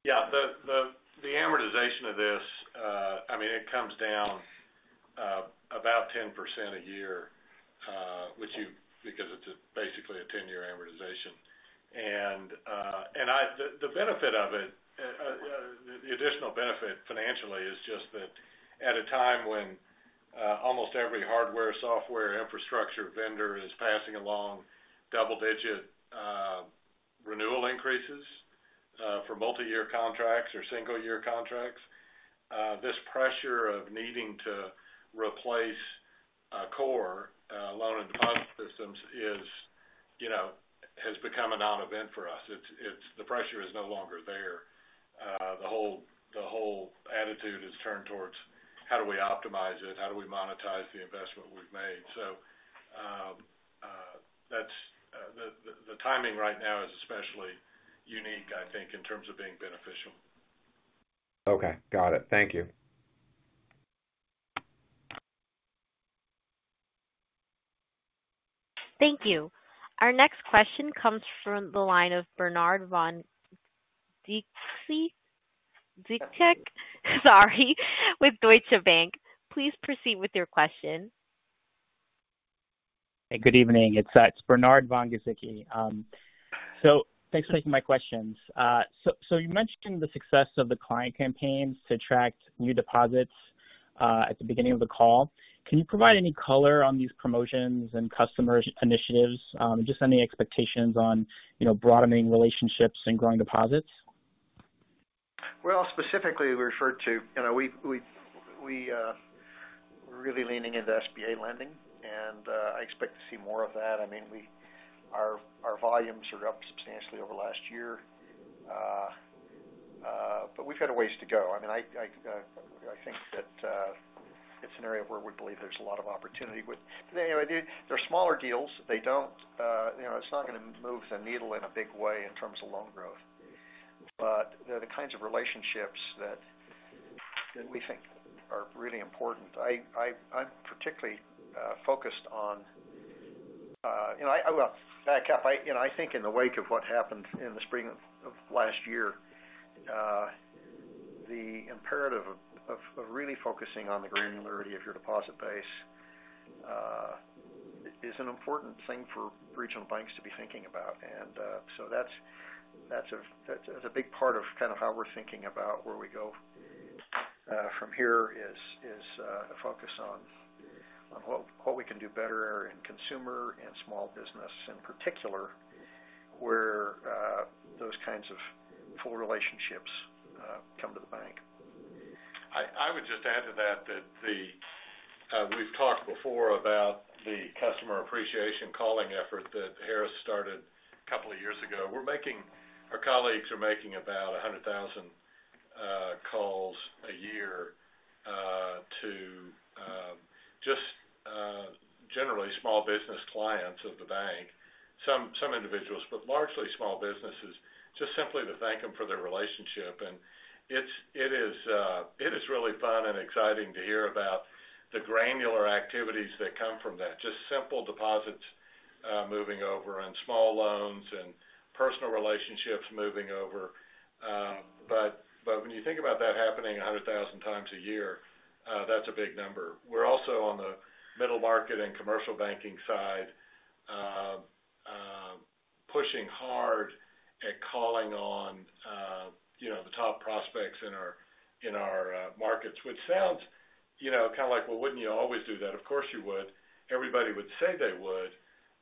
Yeah. The amortization of this, I mean, it comes down about 10% a year, which you because it's basically a 10-year amortization. The benefit of it, the additional benefit financially, is just that at a time when almost every hardware, software, infrastructure vendor is passing along double-digit renewal increases for multi-year contracts or single-year contracts, this pressure of needing to replace core loan and deposit systems has become a non-event for us. The pressure is no longer there. The whole attitude is turned towards how do we optimize it? How do we monetize the investment we've made? So the timing right now is especially unique, I think, in terms of being beneficial. Okay. Got it. Thank you. Thank you. Our next question comes from the line of Bernard von Gizycki, sorry, with Deutsche Bank. Please proceed with your question. Hey, good evening. It's Bernard von Gizycki. So thanks for taking my questions. So you mentioned the success of the client campaigns to attract new deposits at the beginning of the call. Can you provide any color on these promotions and customer initiatives and just any expectations on broadening relationships and growing deposits? Well, specifically, we referred to, we're really leaning into SBA lending, and I expect to see more of that. I mean, our volumes are up substantially over last year. But we've got a ways to go. I mean, I think that it's an area where we believe there's a lot of opportunity. But they're smaller deals. It's not going to move the needle in a big way in terms of loan growth. But the kinds of relationships that we think are really important, I'm particularly focused on well, back up. I think in the wake of what happened in the spring of last year, the imperative of really focusing on the granularity of your deposit base is an important thing for regional banks to be thinking about. And so that's a big part of kind of how we're thinking about where we go from here is a focus on what we can do better in consumer and small business, in particular, where those kinds of full relationships come to the bank. I would just add to that that we've talked before about the customer appreciation calling effort that Harris started a couple of years ago. Our colleagues are making about 100,000 calls a year to just generally small business clients of the bank, some individuals, but largely small businesses, just simply to thank them for their relationship. And it is really fun and exciting to hear about the granular activities that come from that, just simple deposits moving over and small loans and personal relationships moving over. But when you think about that happening 100,000 times a year, that's a big number. We're also on the middle market and commercial banking side pushing hard at calling on the top prospects in our markets, which sounds kind of like, "Well, wouldn't you always do that?" Of course, you would. Everybody would say they would.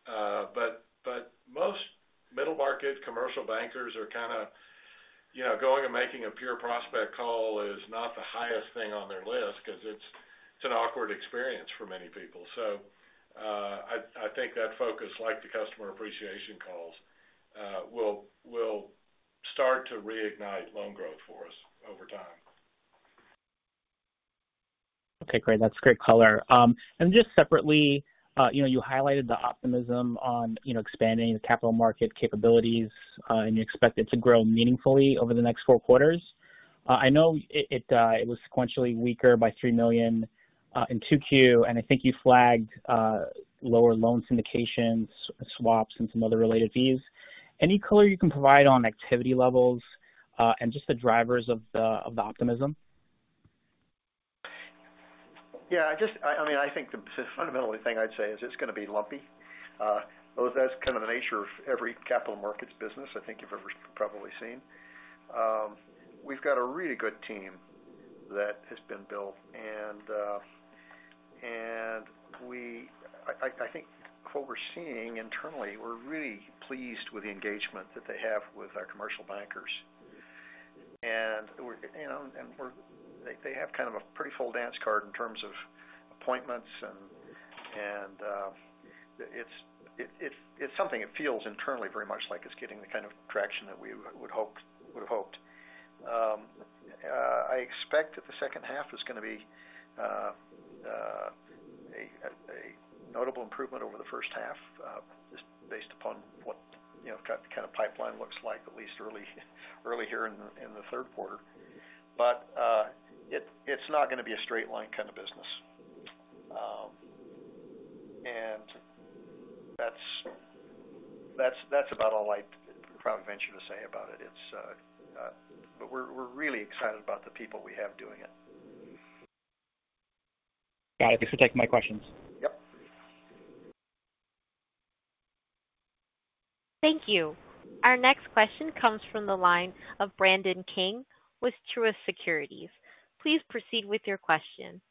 But most middle market commercial bankers are kind of going and making a pure prospect call is not the highest thing on their list because it's an awkward experience for many people. So I think that focus, like the customer appreciation calls, will start to reignite loan growth for us over time. Okay. Great. That's great color. And just separately, you highlighted the optimism on expanding the capital market capabilities, and you expect it to grow meaningfully over the next four quarters. I know it was sequentially weaker by $3 million in 2Q, and I think you flagged lower loan syndications, swaps, and some other related fees. Any color you can provide on activity levels and just the drivers of the optimism? Yeah. I mean, I think the fundamental thing I'd say is it's going to be lumpy. That's kind of the nature of every capital markets business I think you've ever probably seen. We've got a really good team that has been built. And I think what we're seeing internally, we're really pleased with the engagement that they have with our commercial bankers. And they have kind of a pretty full dance card in terms of appointments, and it's something it feels internally very much like it's getting the kind of traction that we would have hoped. I expect that the second half is going to be a notable improvement over the first half just based upon what kind of pipeline looks like, at least early here in the third quarter. But it's not going to be a straight line kind of business. And that's about all I probably have to say about it. But we're really excited about the people we have doing it. Got it. You should take my questions. Yep. Thank you. Our next question comes from the line of Brandon King with Truist Securities. Please proceed with your question.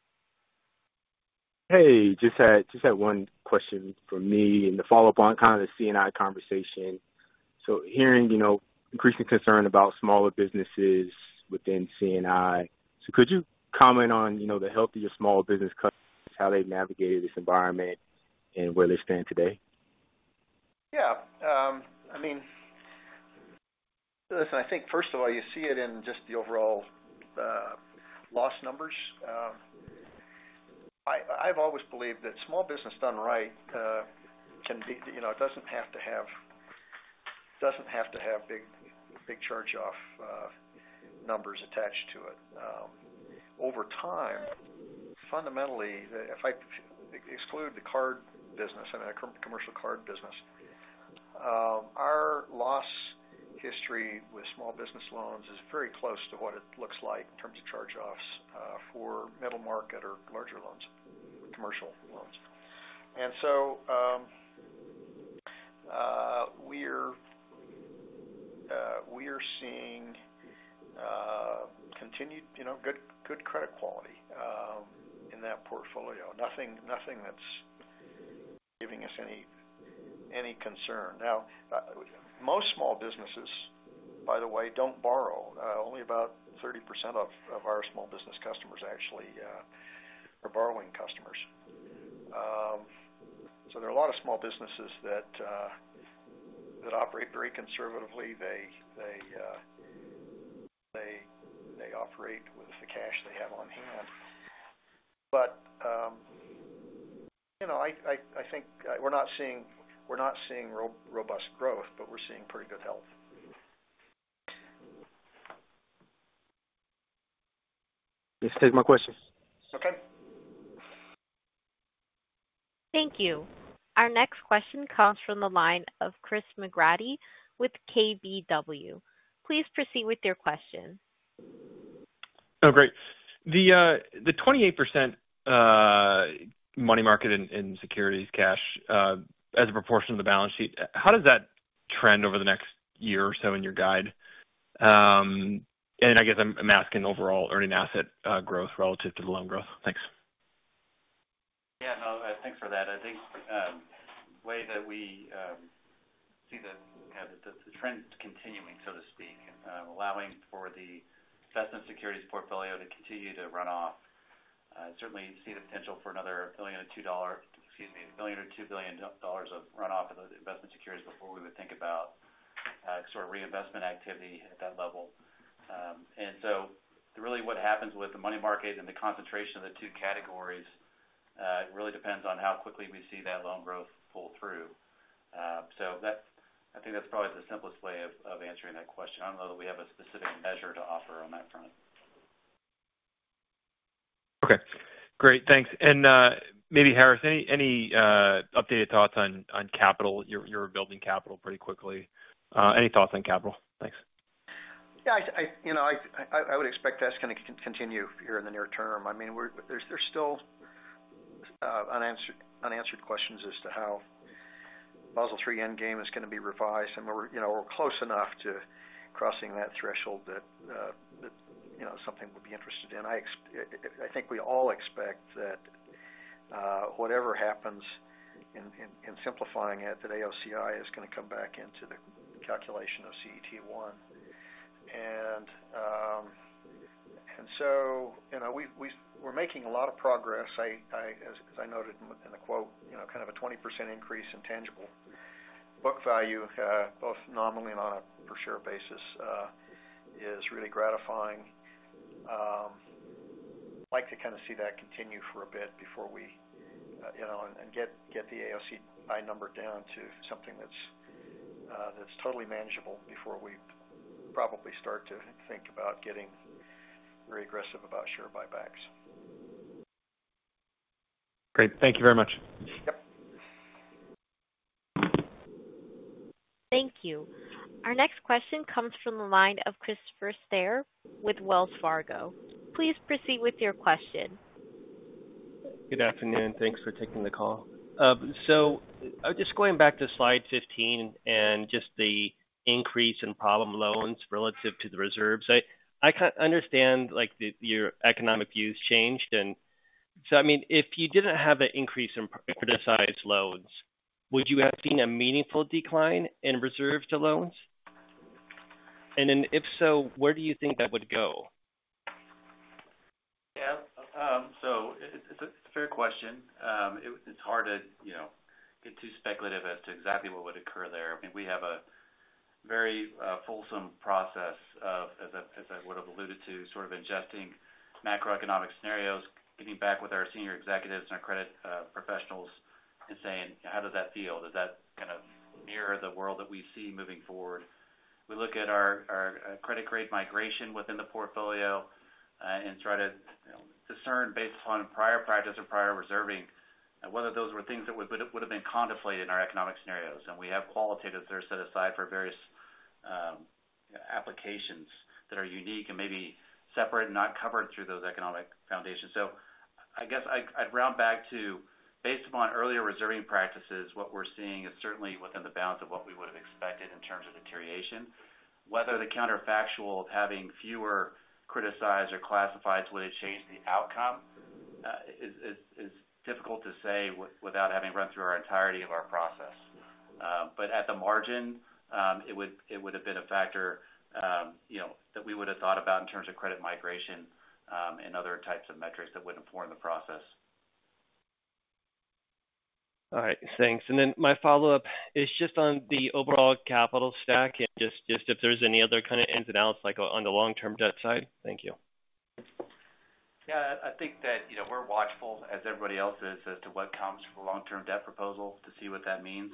Hey, just had one question from me in the follow-up on kind of the C&I conversation. So could you comment on the healthier small business customers, how they've navigated this environment, and where they stand today? Yeah. I mean, listen, I think first of all, you see it in just the overall loss numbers. I've always believed that small business done right can be. It doesn't have to have big charged-off numbers attached to it. Over time, fundamentally, if I exclude the card business and the commercial card business, our loss history with small business loans is very close to what it looks like in terms of charge-offs for middle market or larger loans, commercial loans. And so we're seeing continued good credit quality in that portfolio. Nothing that's giving us any concern. Now, most small businesses, by the way, don't borrow. Only about 30% of our small business customers actually are borrowing customers. So there are a lot of small businesses that operate very conservatively. They operate with the cash they have on hand. But I think we're not seeing robust growth, but we're seeing pretty good health. Thank you for taking my question. Okay. Thank you. Our next question comes from the line of Christopher McGratty with KBW. Please proceed with your question. Oh, great. The 28% money market and securities, cash, as a proportion of the balance sheet, how does that trend over the next year or so in your guide? And I guess I'm asking overall earning asset growth relative to the loan growth. Thanks. Yeah. No, thanks for that. I think the way that we see the trend continuing, so to speak, allowing for the investment securities portfolio to continue to run off, certainly see the potential for another $1 million or $2 million dollars, excuse me, $1 million or $2 billion of run-off of investment securities before we would think about sort of reinvestment activity at that level. And so really what happens with the money market and the concentration of the two categories really depends on how quickly we see that loan growth pull through. So I think that's probably the simplest way of answering that question. I don't know that we have a specific measure to offer on that front. Okay. Great. Thanks. And maybe, Harris, any updated thoughts on capital? You're building capital pretty quickly. Any thoughts on capital? Thanks. Yeah. I would expect that's going to continue here in the near term. I mean, there's still unanswered questions as to how Basel III Endgame is going to be revised. And we're close enough to crossing that threshold that something would be interested in. I think we all expect that whatever happens in simplifying it, that AOCI is going to come back into the calculation of CET1. And so we're making a lot of progress. As I noted in the quote, kind of a 20% increase in tangible book value, both nominally and on a per-share basis, is really gratifying. I'd like to kind of see that continue for a bit before we and get the AOCI number down to something that's totally manageable before we probably start to think about getting very aggressive about share buybacks. Great. Thank you very much. Yep. Thank you. Our next question comes from the line of Christopher Stader with Wells Fargo. Please proceed with your question. Good afternoon. Thanks for taking the call. So just going back to slide 15 and just the increase in problem loans relative to the reserves, I understand your economic views changed. And so I mean, if you didn't have an increase in criticized loans, would you have seen a meaningful decline in reserves to loans? And then if so, where do you think that would go? Yeah. So it's a fair question. It's hard to get too speculative as to exactly what would occur there. I mean, we have a very fulsome process of, as I would have alluded to, sort of ingesting macroeconomic scenarios, getting back with our senior executives and our credit professionals and saying, "How does that feel? Does that kind of mirror the world that we see moving forward?" We look at our credit-grade migration within the portfolio and try to discern based upon prior practice and prior reserving whether those were things that would have been contemplated in our economic scenarios. And we have qualitatives that are set aside for various applications that are unique and maybe separate and not covered through those economic foundations. So I guess I'd round back to, based upon earlier reserving practices, what we're seeing is certainly within the bounds of what we would have expected in terms of deterioration. Whether the counterfactual of having fewer criticized or classifieds would have changed the outcome is difficult to say without having run through our entirety of our process. But at the margin, it would have been a factor that we would have thought about in terms of credit migration and other types of metrics that would inform the process. All right. Thanks. And then my follow-up is just on the overall capital stack and just if there's any other kind of ins and outs on the long-term debt side. Thank you. Yeah. I think that we're watchful, as everybody else is, as to what comes from a long-term debt proposal to see what that means.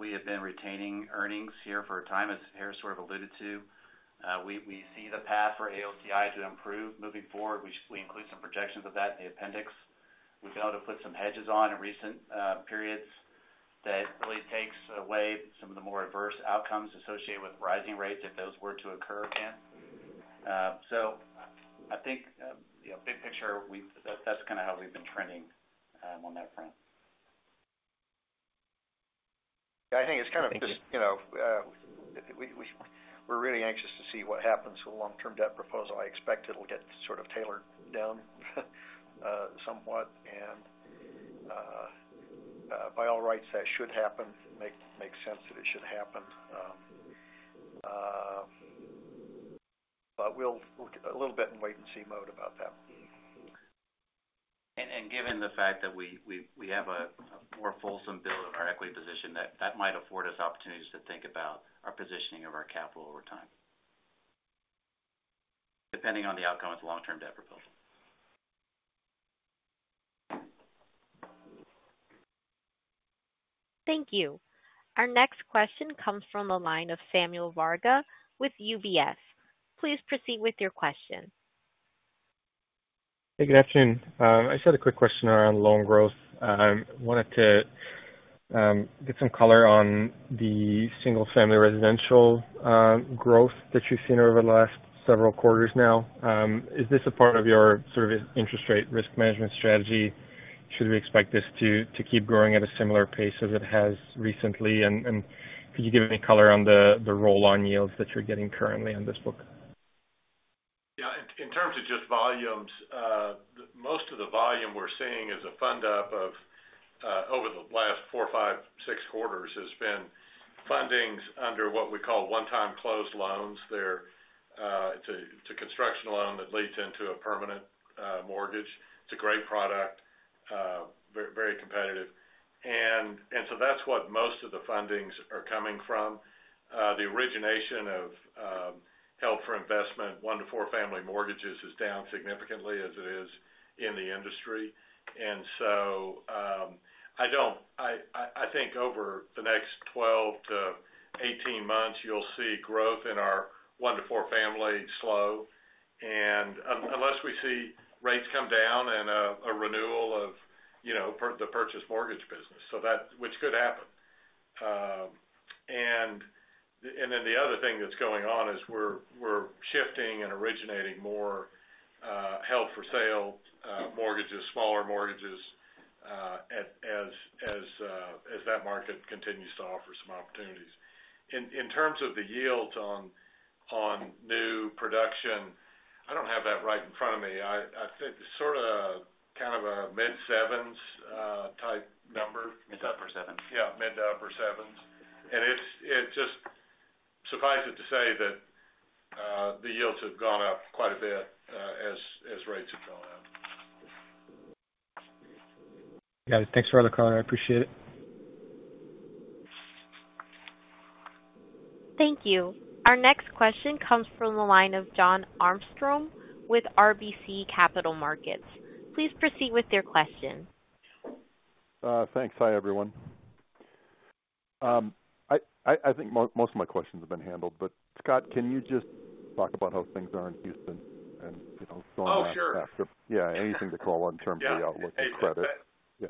We have been retaining earnings here for a time, as Harris sort of alluded to. We see the path for AOCI to improve moving forward. We include some projections of that in the appendix. We've been able to put some hedges on in recent periods that really takes away some of the more adverse outcomes associated with rising rates if those were to occur again. So I think big picture, that's kind of how we've been trending on that front. Yeah. I think it's kind of just we're really anxious to see what happens with the long-term debt proposal. I expect it'll get sort of tailored down somewhat. By all rights, that should happen. It makes sense that it should happen. We'll look a little bit in wait-and-see mode about that. Given the fact that we have a more fulsome build of our equity position, that might afford us opportunities to think about our positioning of our capital over time, depending on the outcome of the long-term debt proposal. Thank you. Our next question comes from the line of Samuel Varga with UBS. Please proceed with your question. Hey, good afternoon. I just had a quick question around loan growth. I wanted to get some color on the single-family residential growth that you've seen over the last several quarters now. Is this a part of your sort of interest rate risk management strategy? Should we expect this to keep growing at a similar pace as it has recently? And could you give any color on the roll-on yields that you're getting currently on this book? Yeah. In terms of just volumes, most of the volume we're seeing as a fund-up over the last four, five, six quarters has been fundings under what we call one-time close loans. It's a construction loan that leads into a permanent mortgage. It's a great product, very competitive. And so that's what most of the fundings are coming from. The origination of held for investment, one to four family mortgages, is down significantly as it is in the industry. And so I think over the next 12-18 months, you'll see growth in our one to four family slow, unless we see rates come down and a renewal of the purchase mortgage business, which could happen. And then the other thing that's going on is we're shifting and originating more held for sale mortgages, smaller mortgages, as that market continues to offer some opportunities. In terms of the yields on new production, I don't have that right in front of me. I think it's sort of kind of a mid-sevens type number. Mid to upper sevens. Yeah. Mid to upper sevens. And it just suffices to say that the yields have gone up quite a bit as rates have gone up. Got it. Thanks for the call. I appreciate it. Thank you. Our next question comes from the line of Jon Arfstrom with RBC Capital Markets. Please proceed with your question. Thanks. Hi, everyone. I think most of my questions have been handled. But Scott, can you just talk about how things are in Houston and going back to. Oh, sure. Yeah. Anything to call on in terms of the outlook and credit? Yeah.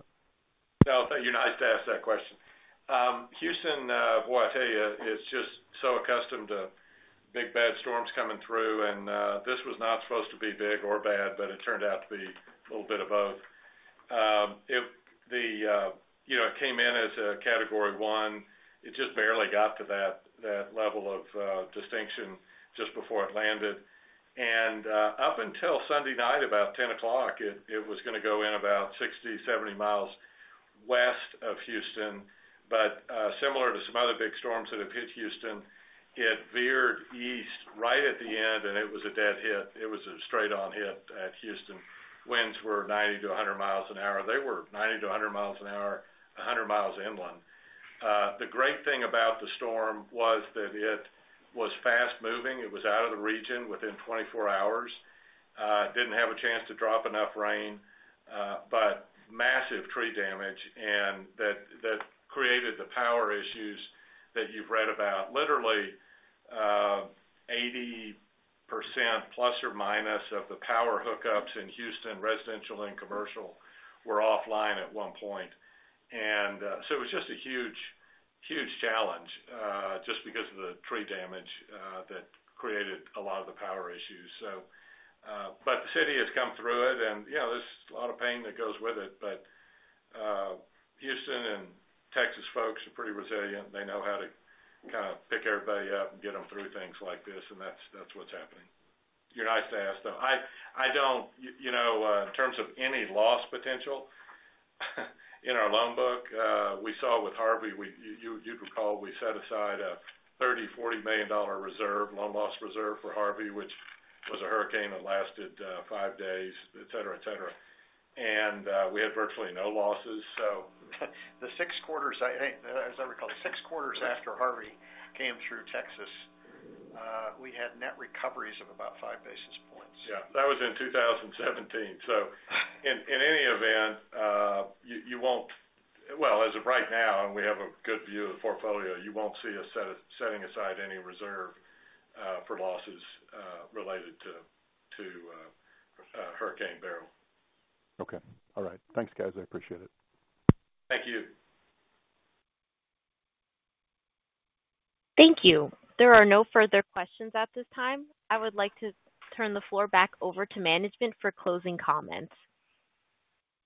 No, I thought you'd be nice to ask that question. Houston, boy, I tell you, is just so accustomed to big bad storms coming through. And this was not supposed to be big or bad, but it turned out to be a little bit of both. It came in as a Category 1. It just barely got to that level of distinction just before it landed. Up until Sunday night, about 10:00 P.M., it was going to go in about 60-70 miles west of Houston. But similar to some other big storms that have hit Houston, it veered east right at the end, and it was a dead hit. It was a straight-on hit at Houston. Winds were 90-100 miles an hour. They were 90-100 miles an hour, 100 miles inland. The great thing about the storm was that it was fast-moving. It was out of the region within 24 hours. Didn't have a chance to drop enough rain, but massive tree damage. And that created the power issues that you've read about. Literally, 80% ± of the power hookups in Houston, residential and commercial, were offline at one point. It was just a huge, huge challenge just because of the tree damage that created a lot of the power issues. The city has come through it, and there's a lot of pain that goes with it. Houston and Texas folks are pretty resilient. They know how to kind of pick everybody up and get them through things like this. That's what's happening. You're nice to ask, though. I don't. In terms of any loss potential in our loan book, we saw with Harvey. You'd recall we set aside a $30 million-$40 million loan loss reserve for Harvey, which was a hurricane that lasted five days, etc., etc. We had virtually no losses. The six quarters—I think, as I recall, the six quarters after Harvey came through Texas, we had net recoveries of about five basis points. Yeah. That was in 2017. So in any event, you won't, well, as of right now, and we have a good view of the portfolio, you won't see us setting aside any reserve for losses related to Hurricane Beryl. Okay. All right. Thanks, guys. I appreciate it. Thank you. Thank you. There are no further questions at this time. I would like to turn the floor back over to management for closing comments.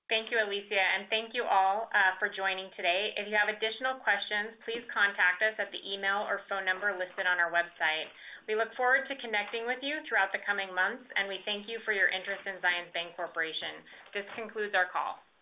Thank you, Alicia. And thank you all for joining today. If you have additional questions, please contact us at the email or phone number listed on our website. We look forward to connecting with you throughout the coming months, and we thank you for your interest in Zions Bancorporation. This concludes our call.